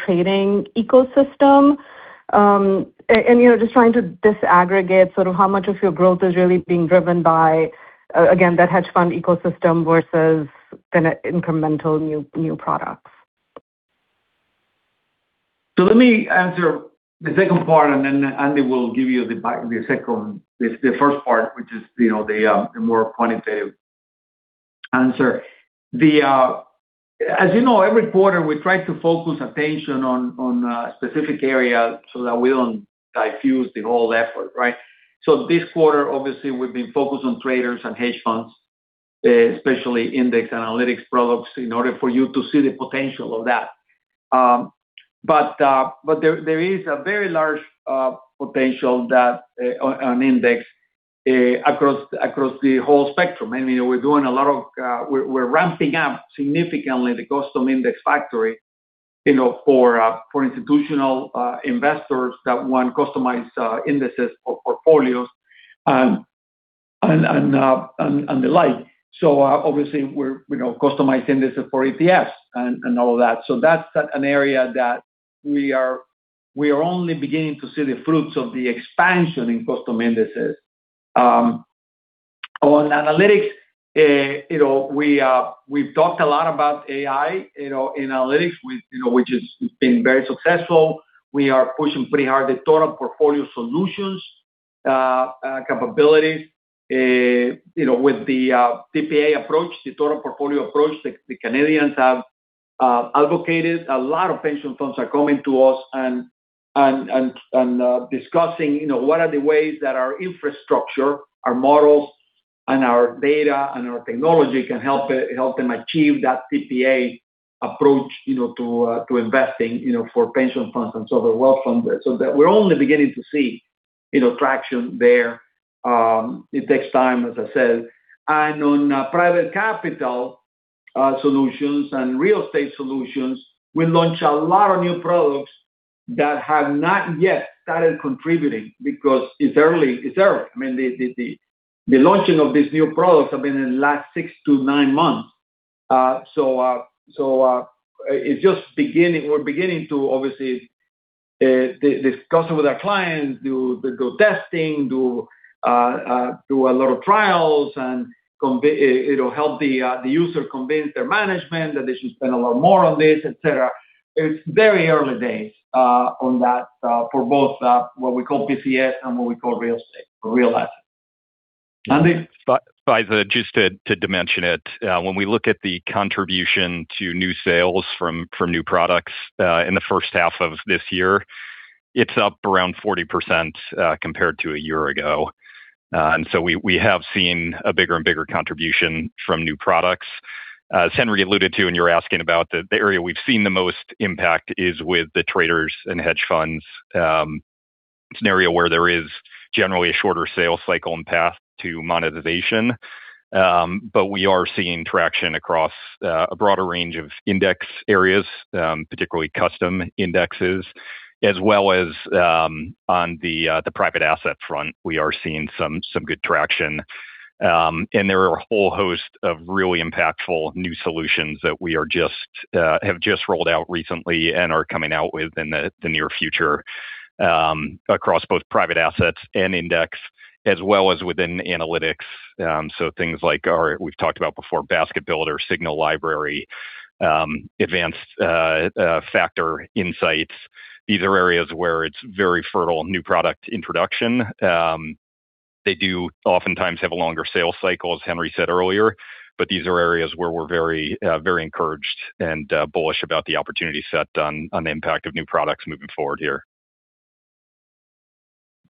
Speaker 13: trading ecosystem. Just trying to disaggregate how much of your growth is really being driven by, again, that hedge fund ecosystem versus incremental new products.
Speaker 3: Let me answer the second part, and then Andy will give you the first part, which is the more quantitative answer. As you know, every quarter we try to focus attention on a specific area so that we don't diffuse the whole effort, right? This quarter, obviously, we've been focused on traders and hedge funds, especially index analytics products, in order for you to see the potential of that. There is a very large potential on index across the whole spectrum. We're ramping up significantly the custom index factory for institutional investors that want customized indexes for portfolios and the like. Obviously we're customizing this for ETFs and all of that. That's an area that we are only beginning to see the fruits of the expansion in custom indexes. On analytics, we've talked a lot about AI in analytics, which has been very successful. We are pushing pretty hard the total portfolio solutions capabilities with the TPA approach, the total portfolio approach the Canadians have advocated. A lot of pension funds are coming to us and discussing what are the ways that our infrastructure, our models, and our data and our technology can help them achieve that TPA approach to investing for pension funds and other wealth funds. We're only beginning to see traction there. It takes time, as I said. On private capital solutions and real estate solutions, we launched a lot of new products that have not yet started contributing because it's early. I mean, the launching of these new products have been in the last six to nine months. We're beginning to obviously discuss it with our clients, do testing, do a lot of trials, and it'll help the user convince their management that they should spend a lot more on this, et cetera. It's very early days on that for both what we call PCS and what we call real estate, or real assets. Andy?
Speaker 4: Faiza, just to dimension it, when we look at the contribution to new sales from new products in the first half of this year, it's up around 40% compared to a year ago. We have seen a bigger and bigger contribution from new products. As Henry alluded to, and you're asking about, the area we've seen the most impact is with the traders and hedge funds scenario, where there is generally a shorter sales cycle and path to monetization. We are seeing traction across a broader range of index areas, particularly custom indexes, as well as on the private asset front, we are seeing some good traction. There are a whole host of really impactful new solutions that we have just rolled out recently and are coming out with in the near future, across both private assets and index, as well as within analytics. Things like we've talked about before, Basket Builder, Signal Library, Advanced Factor Insights. These are areas where it's very fertile new product introduction. They do oftentimes have a longer sales cycle, as Henry said earlier, but these are areas where we're very encouraged and bullish about the opportunity set on the impact of new products moving forward here.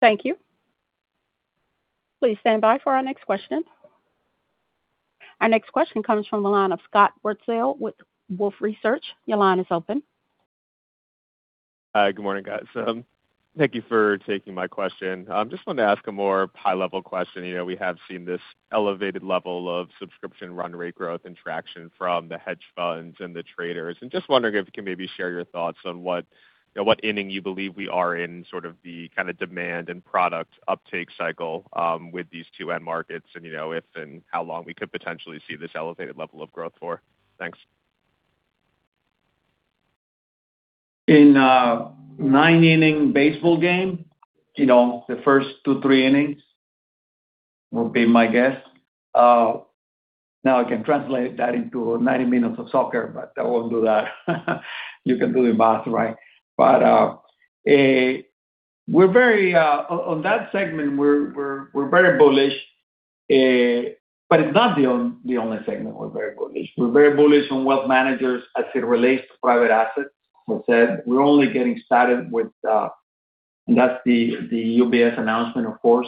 Speaker 1: Thank you. Please stand by for our next question. Our next question comes from the line of Scott Wurtzel with Wolfe Research. Your line is open.
Speaker 14: Hi. Good morning, guys. Thank you for taking my question. Just wanted to ask a more high-level question. We have seen this elevated level of subscription run rate growth and traction from the hedge funds and the traders, and just wondering if you can maybe share your thoughts on what inning you believe we are in, sort of the kind of demand and product uptake cycle with these two end markets and if and how long we could potentially see this elevated level of growth for. Thanks.
Speaker 3: In a nine-inning baseball game, the first two, three innings would be my guess. I can translate that into 90 minutes of soccer, but I won't do that. You can do the math, right? On that segment, we're very bullish, but it's not the only segment we're very bullish. We're very bullish on wealth managers as it relates to private assets. As I said, we're only getting started with the That's the UBS announcement, of course,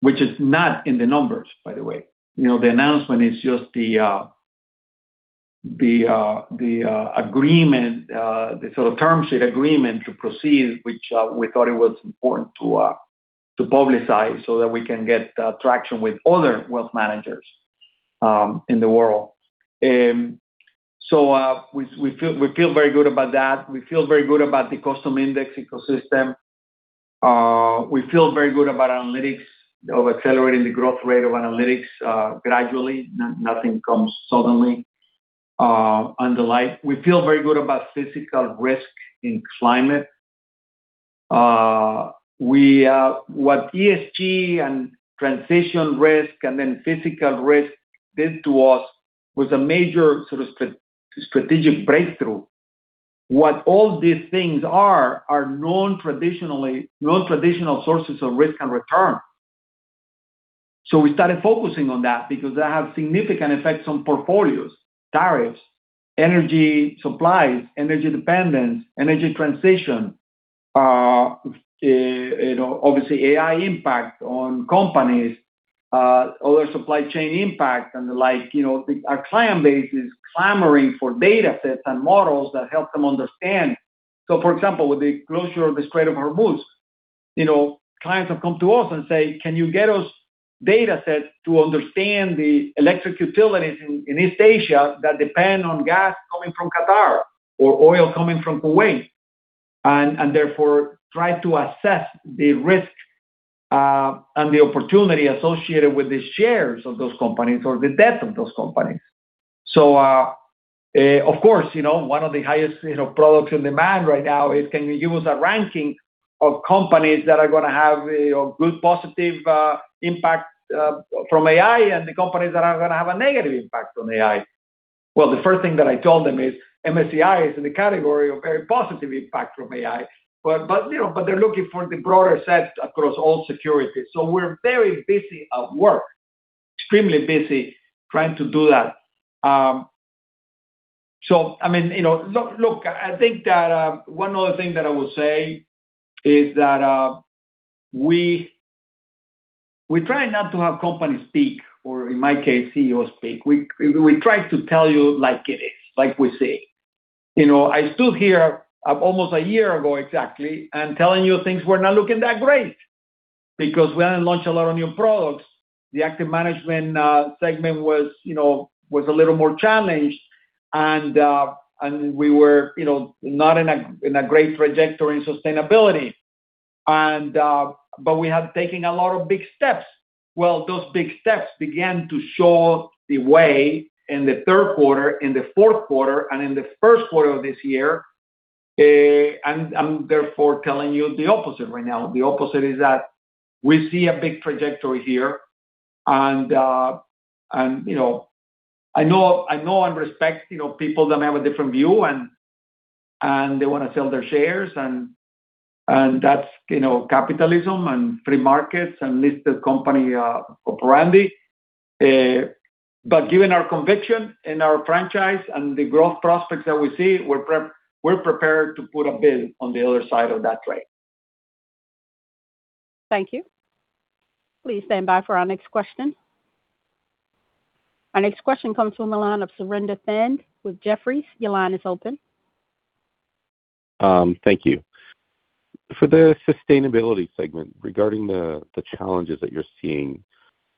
Speaker 3: which is not in the numbers, by the way. The announcement is just the agreement, the sort of term sheet agreement to proceed, which we thought it was important to publicize so that we can get traction with other wealth managers in the world. We feel very good about that. We feel very good about the custom index ecosystem. We feel very good about analytics, of accelerating the growth rate of analytics gradually. Nothing comes suddenly. We feel very good about physical risk in climate. What ESG and transition risk and then physical risk did to us was a major sort of strategic breakthrough. What all these things are non-traditional sources of risk and return. We started focusing on that because they have significant effects on portfolios, tariffs, energy supplies, energy dependence, energy transition, obviously AI impact on companies, other supply chain impact and the like. Our client base is clamoring for data sets and models that help them understand. For example, with the closure of the Strait of Hormuz, clients have come to us and say, "Can you get us data sets to understand the electric utilities in East Asia that depend on gas coming from Qatar or oil coming from Kuwait?" Therefore try to assess the risk and the opportunity associated with the shares of those companies or the debt of those companies. Of course, one of the highest products in demand right now is can you give us a ranking of companies that are going to have a good positive impact from AI and the companies that are going to have a negative impact from AI? Well, the first thing that I told them is MSCI is in the category of very positive impact from AI, but they're looking for the broader set across all securities. We're very busy at work, extremely busy trying to do that. Look, I think that one other thing that I will say is that we try not to have companies speak, or in my case, CEO speak. We try to tell you like it is, like we see. I stood here almost a year ago exactly and telling you things were not looking that great because we hadn't launched a lot of new products. The active management segment was a little more challenged, and we were not in a great trajectory in sustainability. We have taken a lot of big steps. Well, those big steps began to show the way in the third quarter, in the fourth quarter, and in the first quarter of this year. I'm therefore telling you the opposite right now. The opposite is that we see a big trajectory here. I know and respect people that may have a different view and they want to sell their shares, and that's capitalism and free markets and listed company operandi. Given our conviction in our franchise and the growth prospects that we see, we're prepared to put a bid on the other side of that trade.
Speaker 1: Thank you. Please stand by for our next question. Our next question comes from the line of Surinder Thind with Jefferies. Your line is open.
Speaker 15: Thank you. For the sustainability segment, regarding the challenges that you're seeing,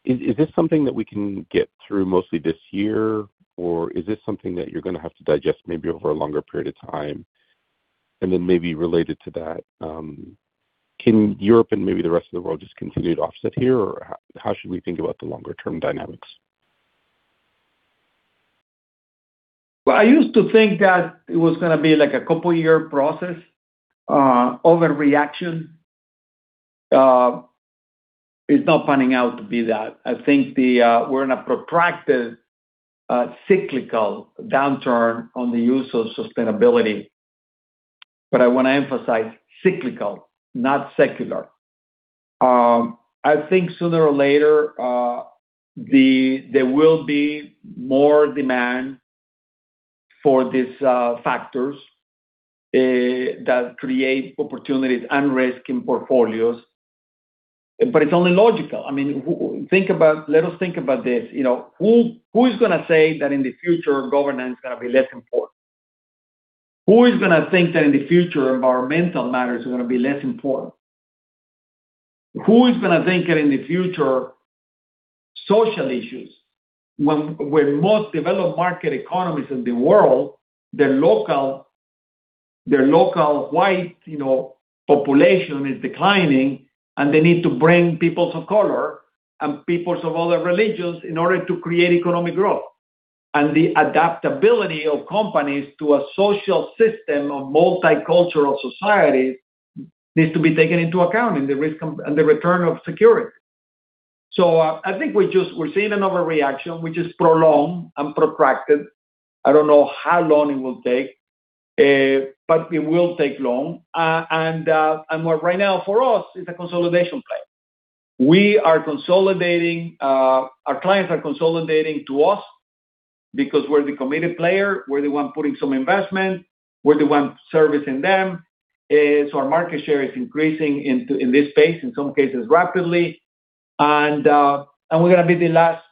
Speaker 15: is this something that we can get through mostly this year, or is this something that you're going to have to digest maybe over a longer period of time? Maybe related to that, can Europe and maybe the rest of the world just continue to offset here, or how should we think about the longer-term dynamics?
Speaker 3: Well, I used to think that it was going to be like a couple-year process, overreaction. It's not panning out to be that. I think we're in a protracted cyclical downturn on the use of sustainability. I want to emphasize cyclical, not secular. I think sooner or later, there will be more demand for these factors that create opportunities and risk in portfolios. It's only logical. Let us think about this. Who's going to say that in the future, governance is going to be less important? Who is going to think that in the future, environmental matters are going to be less important? Who is going to think that in the future, social issues, when most developed market economies in the world, their local white population is declining, and they need to bring peoples of color and peoples of other religions in order to create economic growth. The adaptability of companies to a social system of multicultural society needs to be taken into account in the return of security. I think we're seeing an overreaction, which is prolonged and protracted. I don't know how long it will take, but it will take long. Right now for us, it's a consolidation play. Our clients are consolidating to us because we're the committed player. We're the one putting some investment. We're the one servicing them. Our market share is increasing in this space, in some cases rapidly. We're going to be the last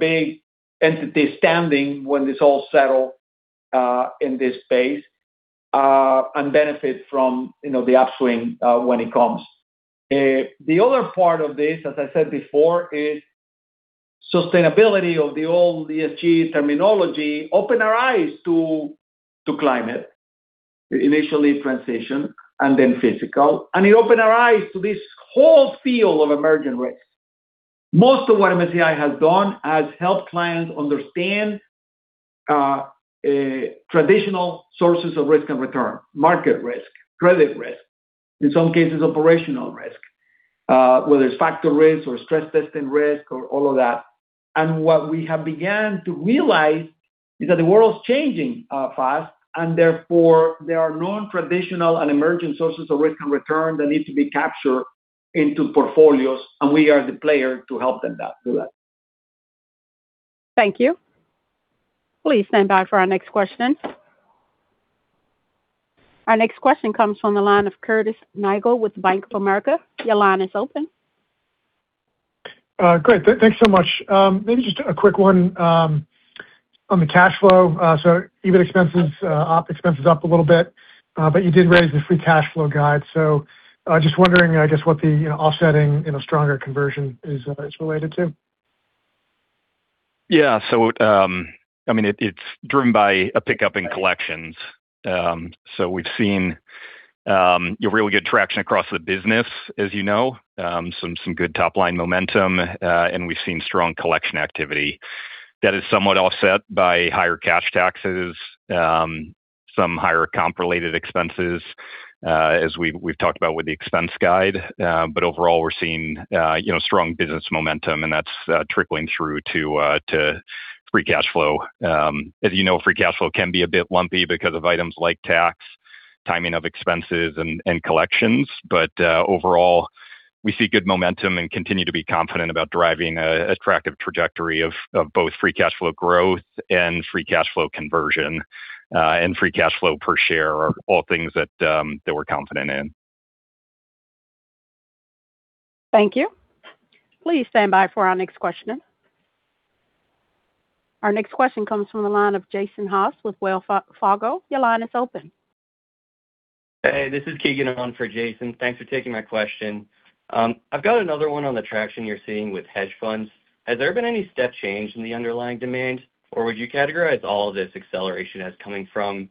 Speaker 3: big entity standing when this all settle in this space, and benefit from the upswing when it comes. The other part of this, as I said before, is sustainability of the old ESG terminology opened our eyes to climate. Initially transition, then physical, and it opened our eyes to this whole field of emerging risk. Most of what MSCI has done has helped clients understand traditional sources of risk and return. Market risk, credit risk, in some cases, operational risk, whether it's factor risk or stress testing risk or all of that. What we have began to realize is that the world's changing fast, and therefore, there are non-traditional and emerging sources of risk and return that need to be captured into portfolios, and we are the player to help them do that.
Speaker 1: Thank you. Please stand by for our next question. Our next question comes from the line of Curtis Nagle with Bank of America. Your line is open.
Speaker 16: Great. Thanks so much. Maybe just a quick one on the cash flow. Even expenses up a little bit, but you did raise the free cash flow guide. Just wondering, I guess, what the offsetting stronger conversion is related to.
Speaker 4: Yeah. It's driven by a pickup in collections. We've seen really good traction across the business, as you know. Some good top-line momentum, and we've seen strong collection activity that is somewhat offset by higher cash taxes, some higher comp-related expenses, as we've talked about with the expense guide. Overall, we're seeing strong business momentum, and that's trickling through to free cash flow. As you know, free cash flow can be a bit lumpy because of items like tax, timing of expenses, and collections. Overall, we see good momentum and continue to be confident about driving attractive trajectory of both free cash flow growth and free cash flow conversion, and free cash flow per share are all things that we're confident in.
Speaker 1: Thank you. Please stand by for our next question. Our next question comes from the line of Jason Haas with Wells Fargo. Your line is open.
Speaker 17: Hey, this is Keegan on for Jason. Thanks for taking my question. I've got another one on the traction you're seeing with hedge funds. Has there been any step change in the underlying demand, or would you categorize all this acceleration as coming from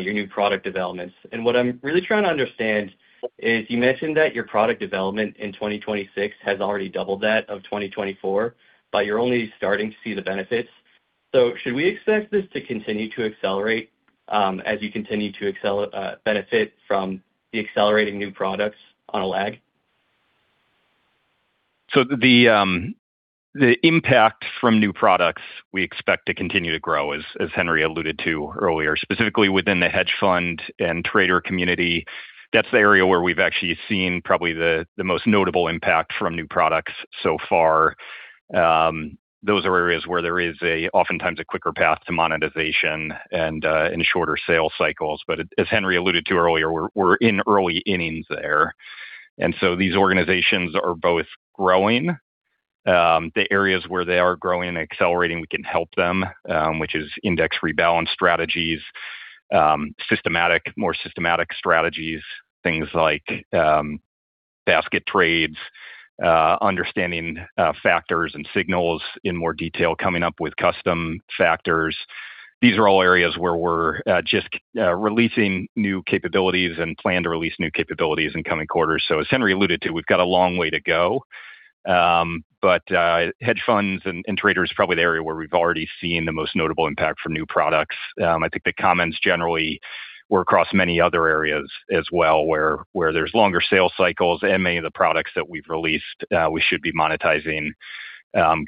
Speaker 17: your new product developments? What I'm really trying to understand is you mentioned that your product development in 2026 has already doubled that of 2024, but you're only starting to see the benefits. Should we expect this to continue to accelerate as you continue to benefit from the accelerating new products on a lag?
Speaker 4: The impact from new products we expect to continue to grow, as Henry alluded to earlier, specifically within the hedge fund and trader community. That's the area where we've actually seen probably the most notable impact from new products so far. Those are areas where there is oftentimes a quicker path to monetization and shorter sales cycles. As Henry alluded to earlier, we're in early innings there. These organizations are both growing. The areas where they are growing and accelerating, we can help them, which is index rebalance strategies, more systematic strategies, things like basket trades, understanding factors and signals in more detail, coming up with custom factors. These are all areas where we're just releasing new capabilities and plan to release new capabilities in coming quarters. As Henry alluded to, we've got a long way to go. Hedge funds and traders is probably the area where we've already seen the most notable impact from new products. I think the comments generally were across many other areas as well, where there's longer sales cycles, and many of the products that we've released, we should be monetizing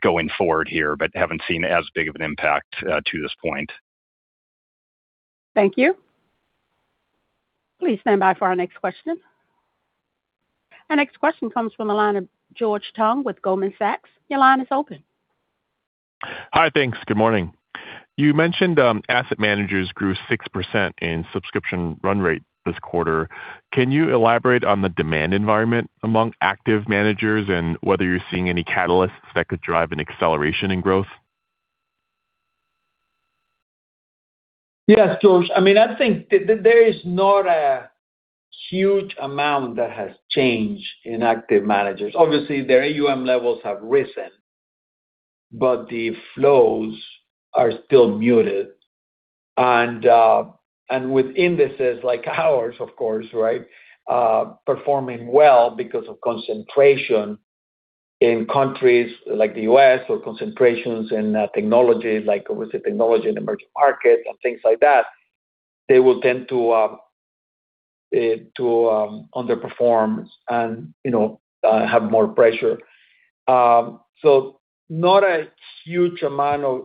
Speaker 4: going forward here, but haven't seen as big of an impact to this point.
Speaker 1: Thank you. Please stand by for our next question. Our next question comes from the line of George Tong with Goldman Sachs. Your line is open.
Speaker 18: Hi, thanks. Good morning. You mentioned asset managers grew 6% in subscription run rate this quarter. Can you elaborate on the demand environment among active managers and whether you're seeing any catalysts that could drive an acceleration in growth?
Speaker 3: Yes, George. I think there is not a huge amount that has changed in active managers. Obviously, their AUM levels have risen, but the flows are still muted. With indices like ours, of course, right, performing well because of concentration in countries like the U.S. or concentrations in technology, like I would say technology in emerging markets and things like that, they will tend to underperform and have more pressure.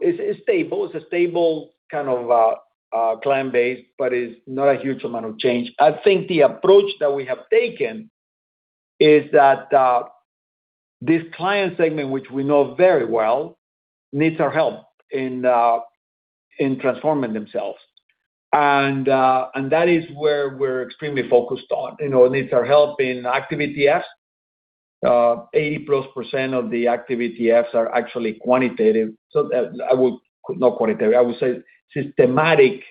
Speaker 3: It's stable. It's a stable kind of client base, but it's not a huge amount of change. I think the approach that we have taken is that this client segment, which we know very well, needs our help in transforming themselves. That is where we're extremely focused on. Needs our help in active ETFs. 80%+ of the active ETFs are actually quantitative. Not quantitative, I would say systematic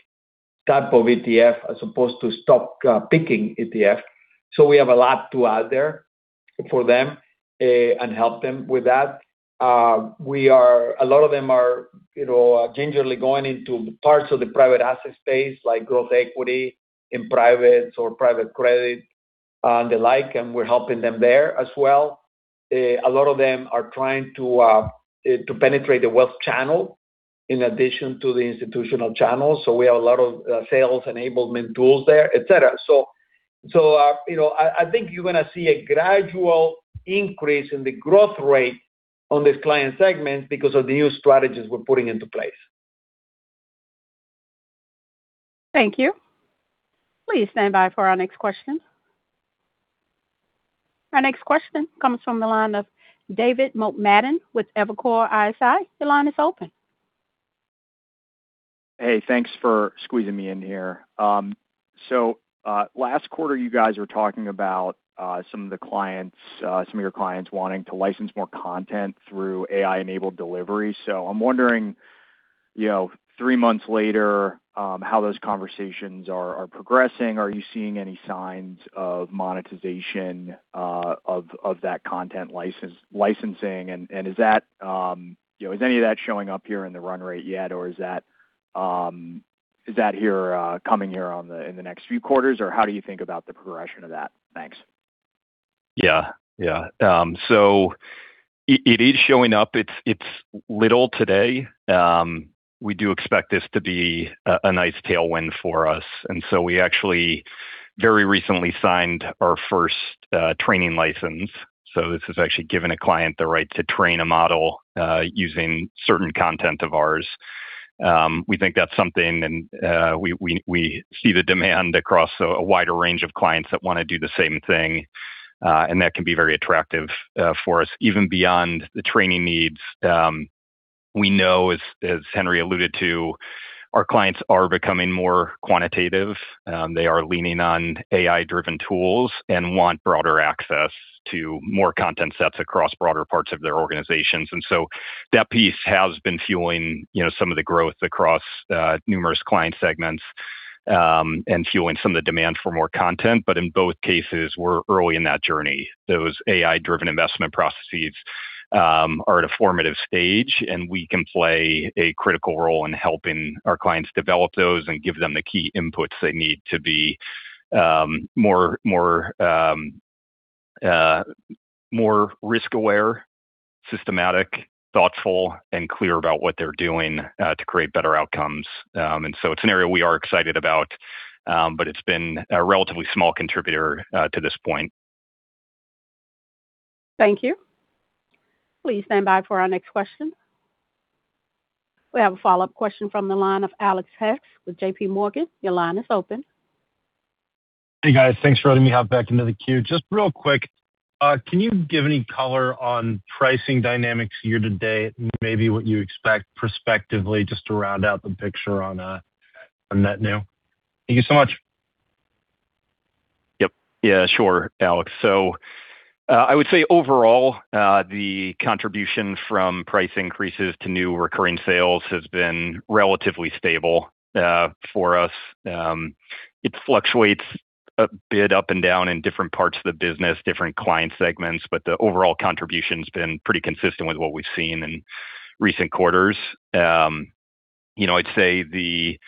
Speaker 3: type of ETF as opposed to stock picking ETF. We have a lot to add there for them, and help them with that. A lot of them are gingerly going into parts of the private asset space, like growth equity in privates or private credit and the like, and we're helping them there as well. A lot of them are trying to penetrate the wealth channel in addition to the institutional channel, so we have a lot of sales enablement tools there, et cetera. I think you're going to see a gradual increase in the growth rate on this client segment because of the new strategies we're putting into place.
Speaker 1: Thank you. Please stand by for our next question. Our next question comes from the line of David Motemaden with Evercore ISI. Your line is open.
Speaker 19: Hey, thanks for squeezing me in here. Last quarter you guys were talking about some of your clients wanting to license more content through AI-enabled delivery. I'm wondering, three months later, how those conversations are progressing. Are you seeing any signs of monetization of that content licensing, and is any of that showing up here in the run rate yet, or is that coming here in the next few quarters, or how do you think about the progression of that? Thanks.
Speaker 4: Yeah. It is showing up. It's little today. We do expect this to be a nice tailwind for us, we actually very recently signed our first training license. This is actually giving a client the right to train a model, using certain content of ours. We think that's something, we see the demand across a wider range of clients that want to do the same thing, and that can be very attractive for us. Even beyond the training needs, we know, as Henry alluded to, our clients are becoming more quantitative. They are leaning on AI-driven tools and want broader access to more content sets across broader parts of their organizations. That piece has been fueling some of the growth across numerous client segments, and fueling some of the demand for more content. In both cases, we're early in that journey. Those AI-driven investment processes are at a formative stage, and we can play a critical role in helping our clients develop those and give them the key inputs they need to be more risk-aware, systematic, thoughtful, and clear about what they're doing to create better outcomes. It's an area we are excited about, but it's been a relatively small contributor to this point.
Speaker 1: Thank you. Please stand by for our next question. We have a follow-up question from the line of Alex Hess with JPMorgan. Your line is open.
Speaker 10: Hey, guys. Thanks for letting me hop back into the queue. Just real quick, can you give any color on pricing dynamics year to date and maybe what you expect prospectively, just to round out the picture on net new? Thank you so much.
Speaker 4: Yep. Yeah, sure, Alex. I would say overall, the contribution from price increases to new recurring sales has been relatively stable for us. It fluctuates a bit up and down in different parts of the business, different client segments, but the overall contribution's been pretty consistent with what we've seen in recent quarters. I'd say the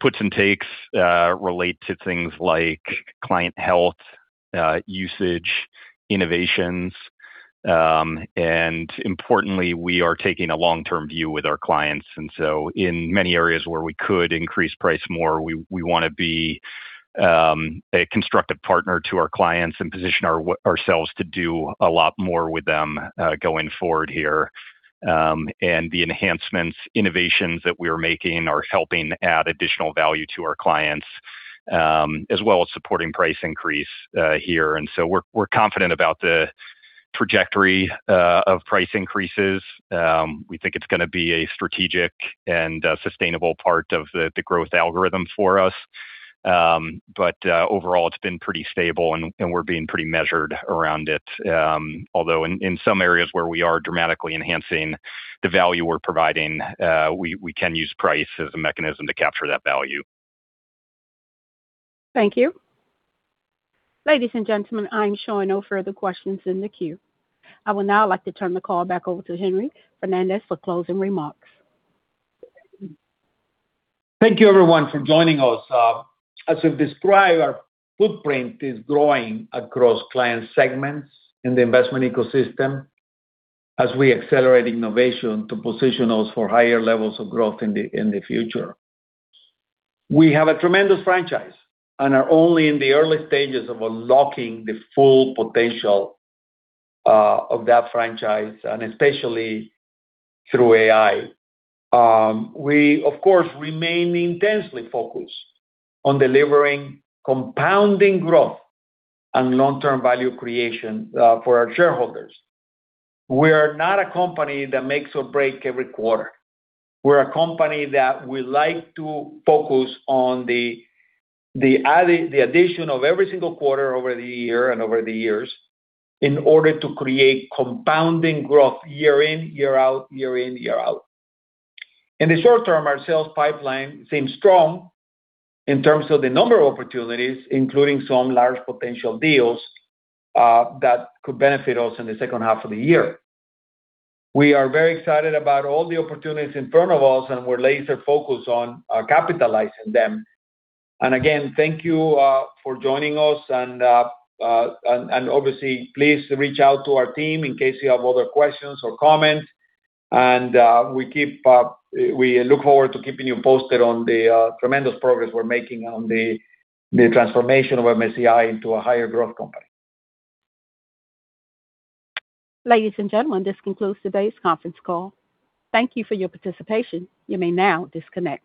Speaker 4: puts and takes relate to things like client health, usage, innovations. Importantly, we are taking a long-term view with our clients. In many areas where we could increase price more, we want to be a constructive partner to our clients and position ourselves to do a lot more with them going forward here. The enhancements, innovations that we're making are helping add additional value to our clients, as well as supporting price increase here. We're confident about the trajectory of price increases. We think it's going to be a strategic and sustainable part of the growth algorithm for us. Overall, it's been pretty stable, and we're being pretty measured around it. Although in some areas where we are dramatically enhancing the value we're providing, we can use price as a mechanism to capture that value.
Speaker 1: Thank you. Ladies and gentlemen, I'm showing no further questions in the queue. I would now like to turn the call back over to Henry Fernandez for closing remarks.
Speaker 3: Thank you, everyone, for joining us. As we've described, our footprint is growing across client segments in the investment ecosystem as we accelerate innovation to position us for higher levels of growth in the future. We have a tremendous franchise and are only in the early stages of unlocking the full potential of that franchise, and especially through AI. We, of course, remain intensely focused on delivering compounding growth and long-term value creation for our shareholders. We are not a company that makes or break every quarter. We're a company that we like to focus on the addition of every single quarter over the year and over the years in order to create compounding growth year in, year out. In the short term, our sales pipeline seems strong in terms of the number of opportunities, including some large potential deals that could benefit us in the second half of the year. We are very excited about all the opportunities in front of us, we're laser-focused on capitalizing them. Again, thank you for joining us, obviously, please reach out to our team in case you have other questions or comments. We look forward to keeping you posted on the tremendous progress we're making on the transformation of MSCI into a higher growth company.
Speaker 1: Ladies and gentlemen, this concludes today's conference call. Thank you for your participation. You may now disconnect.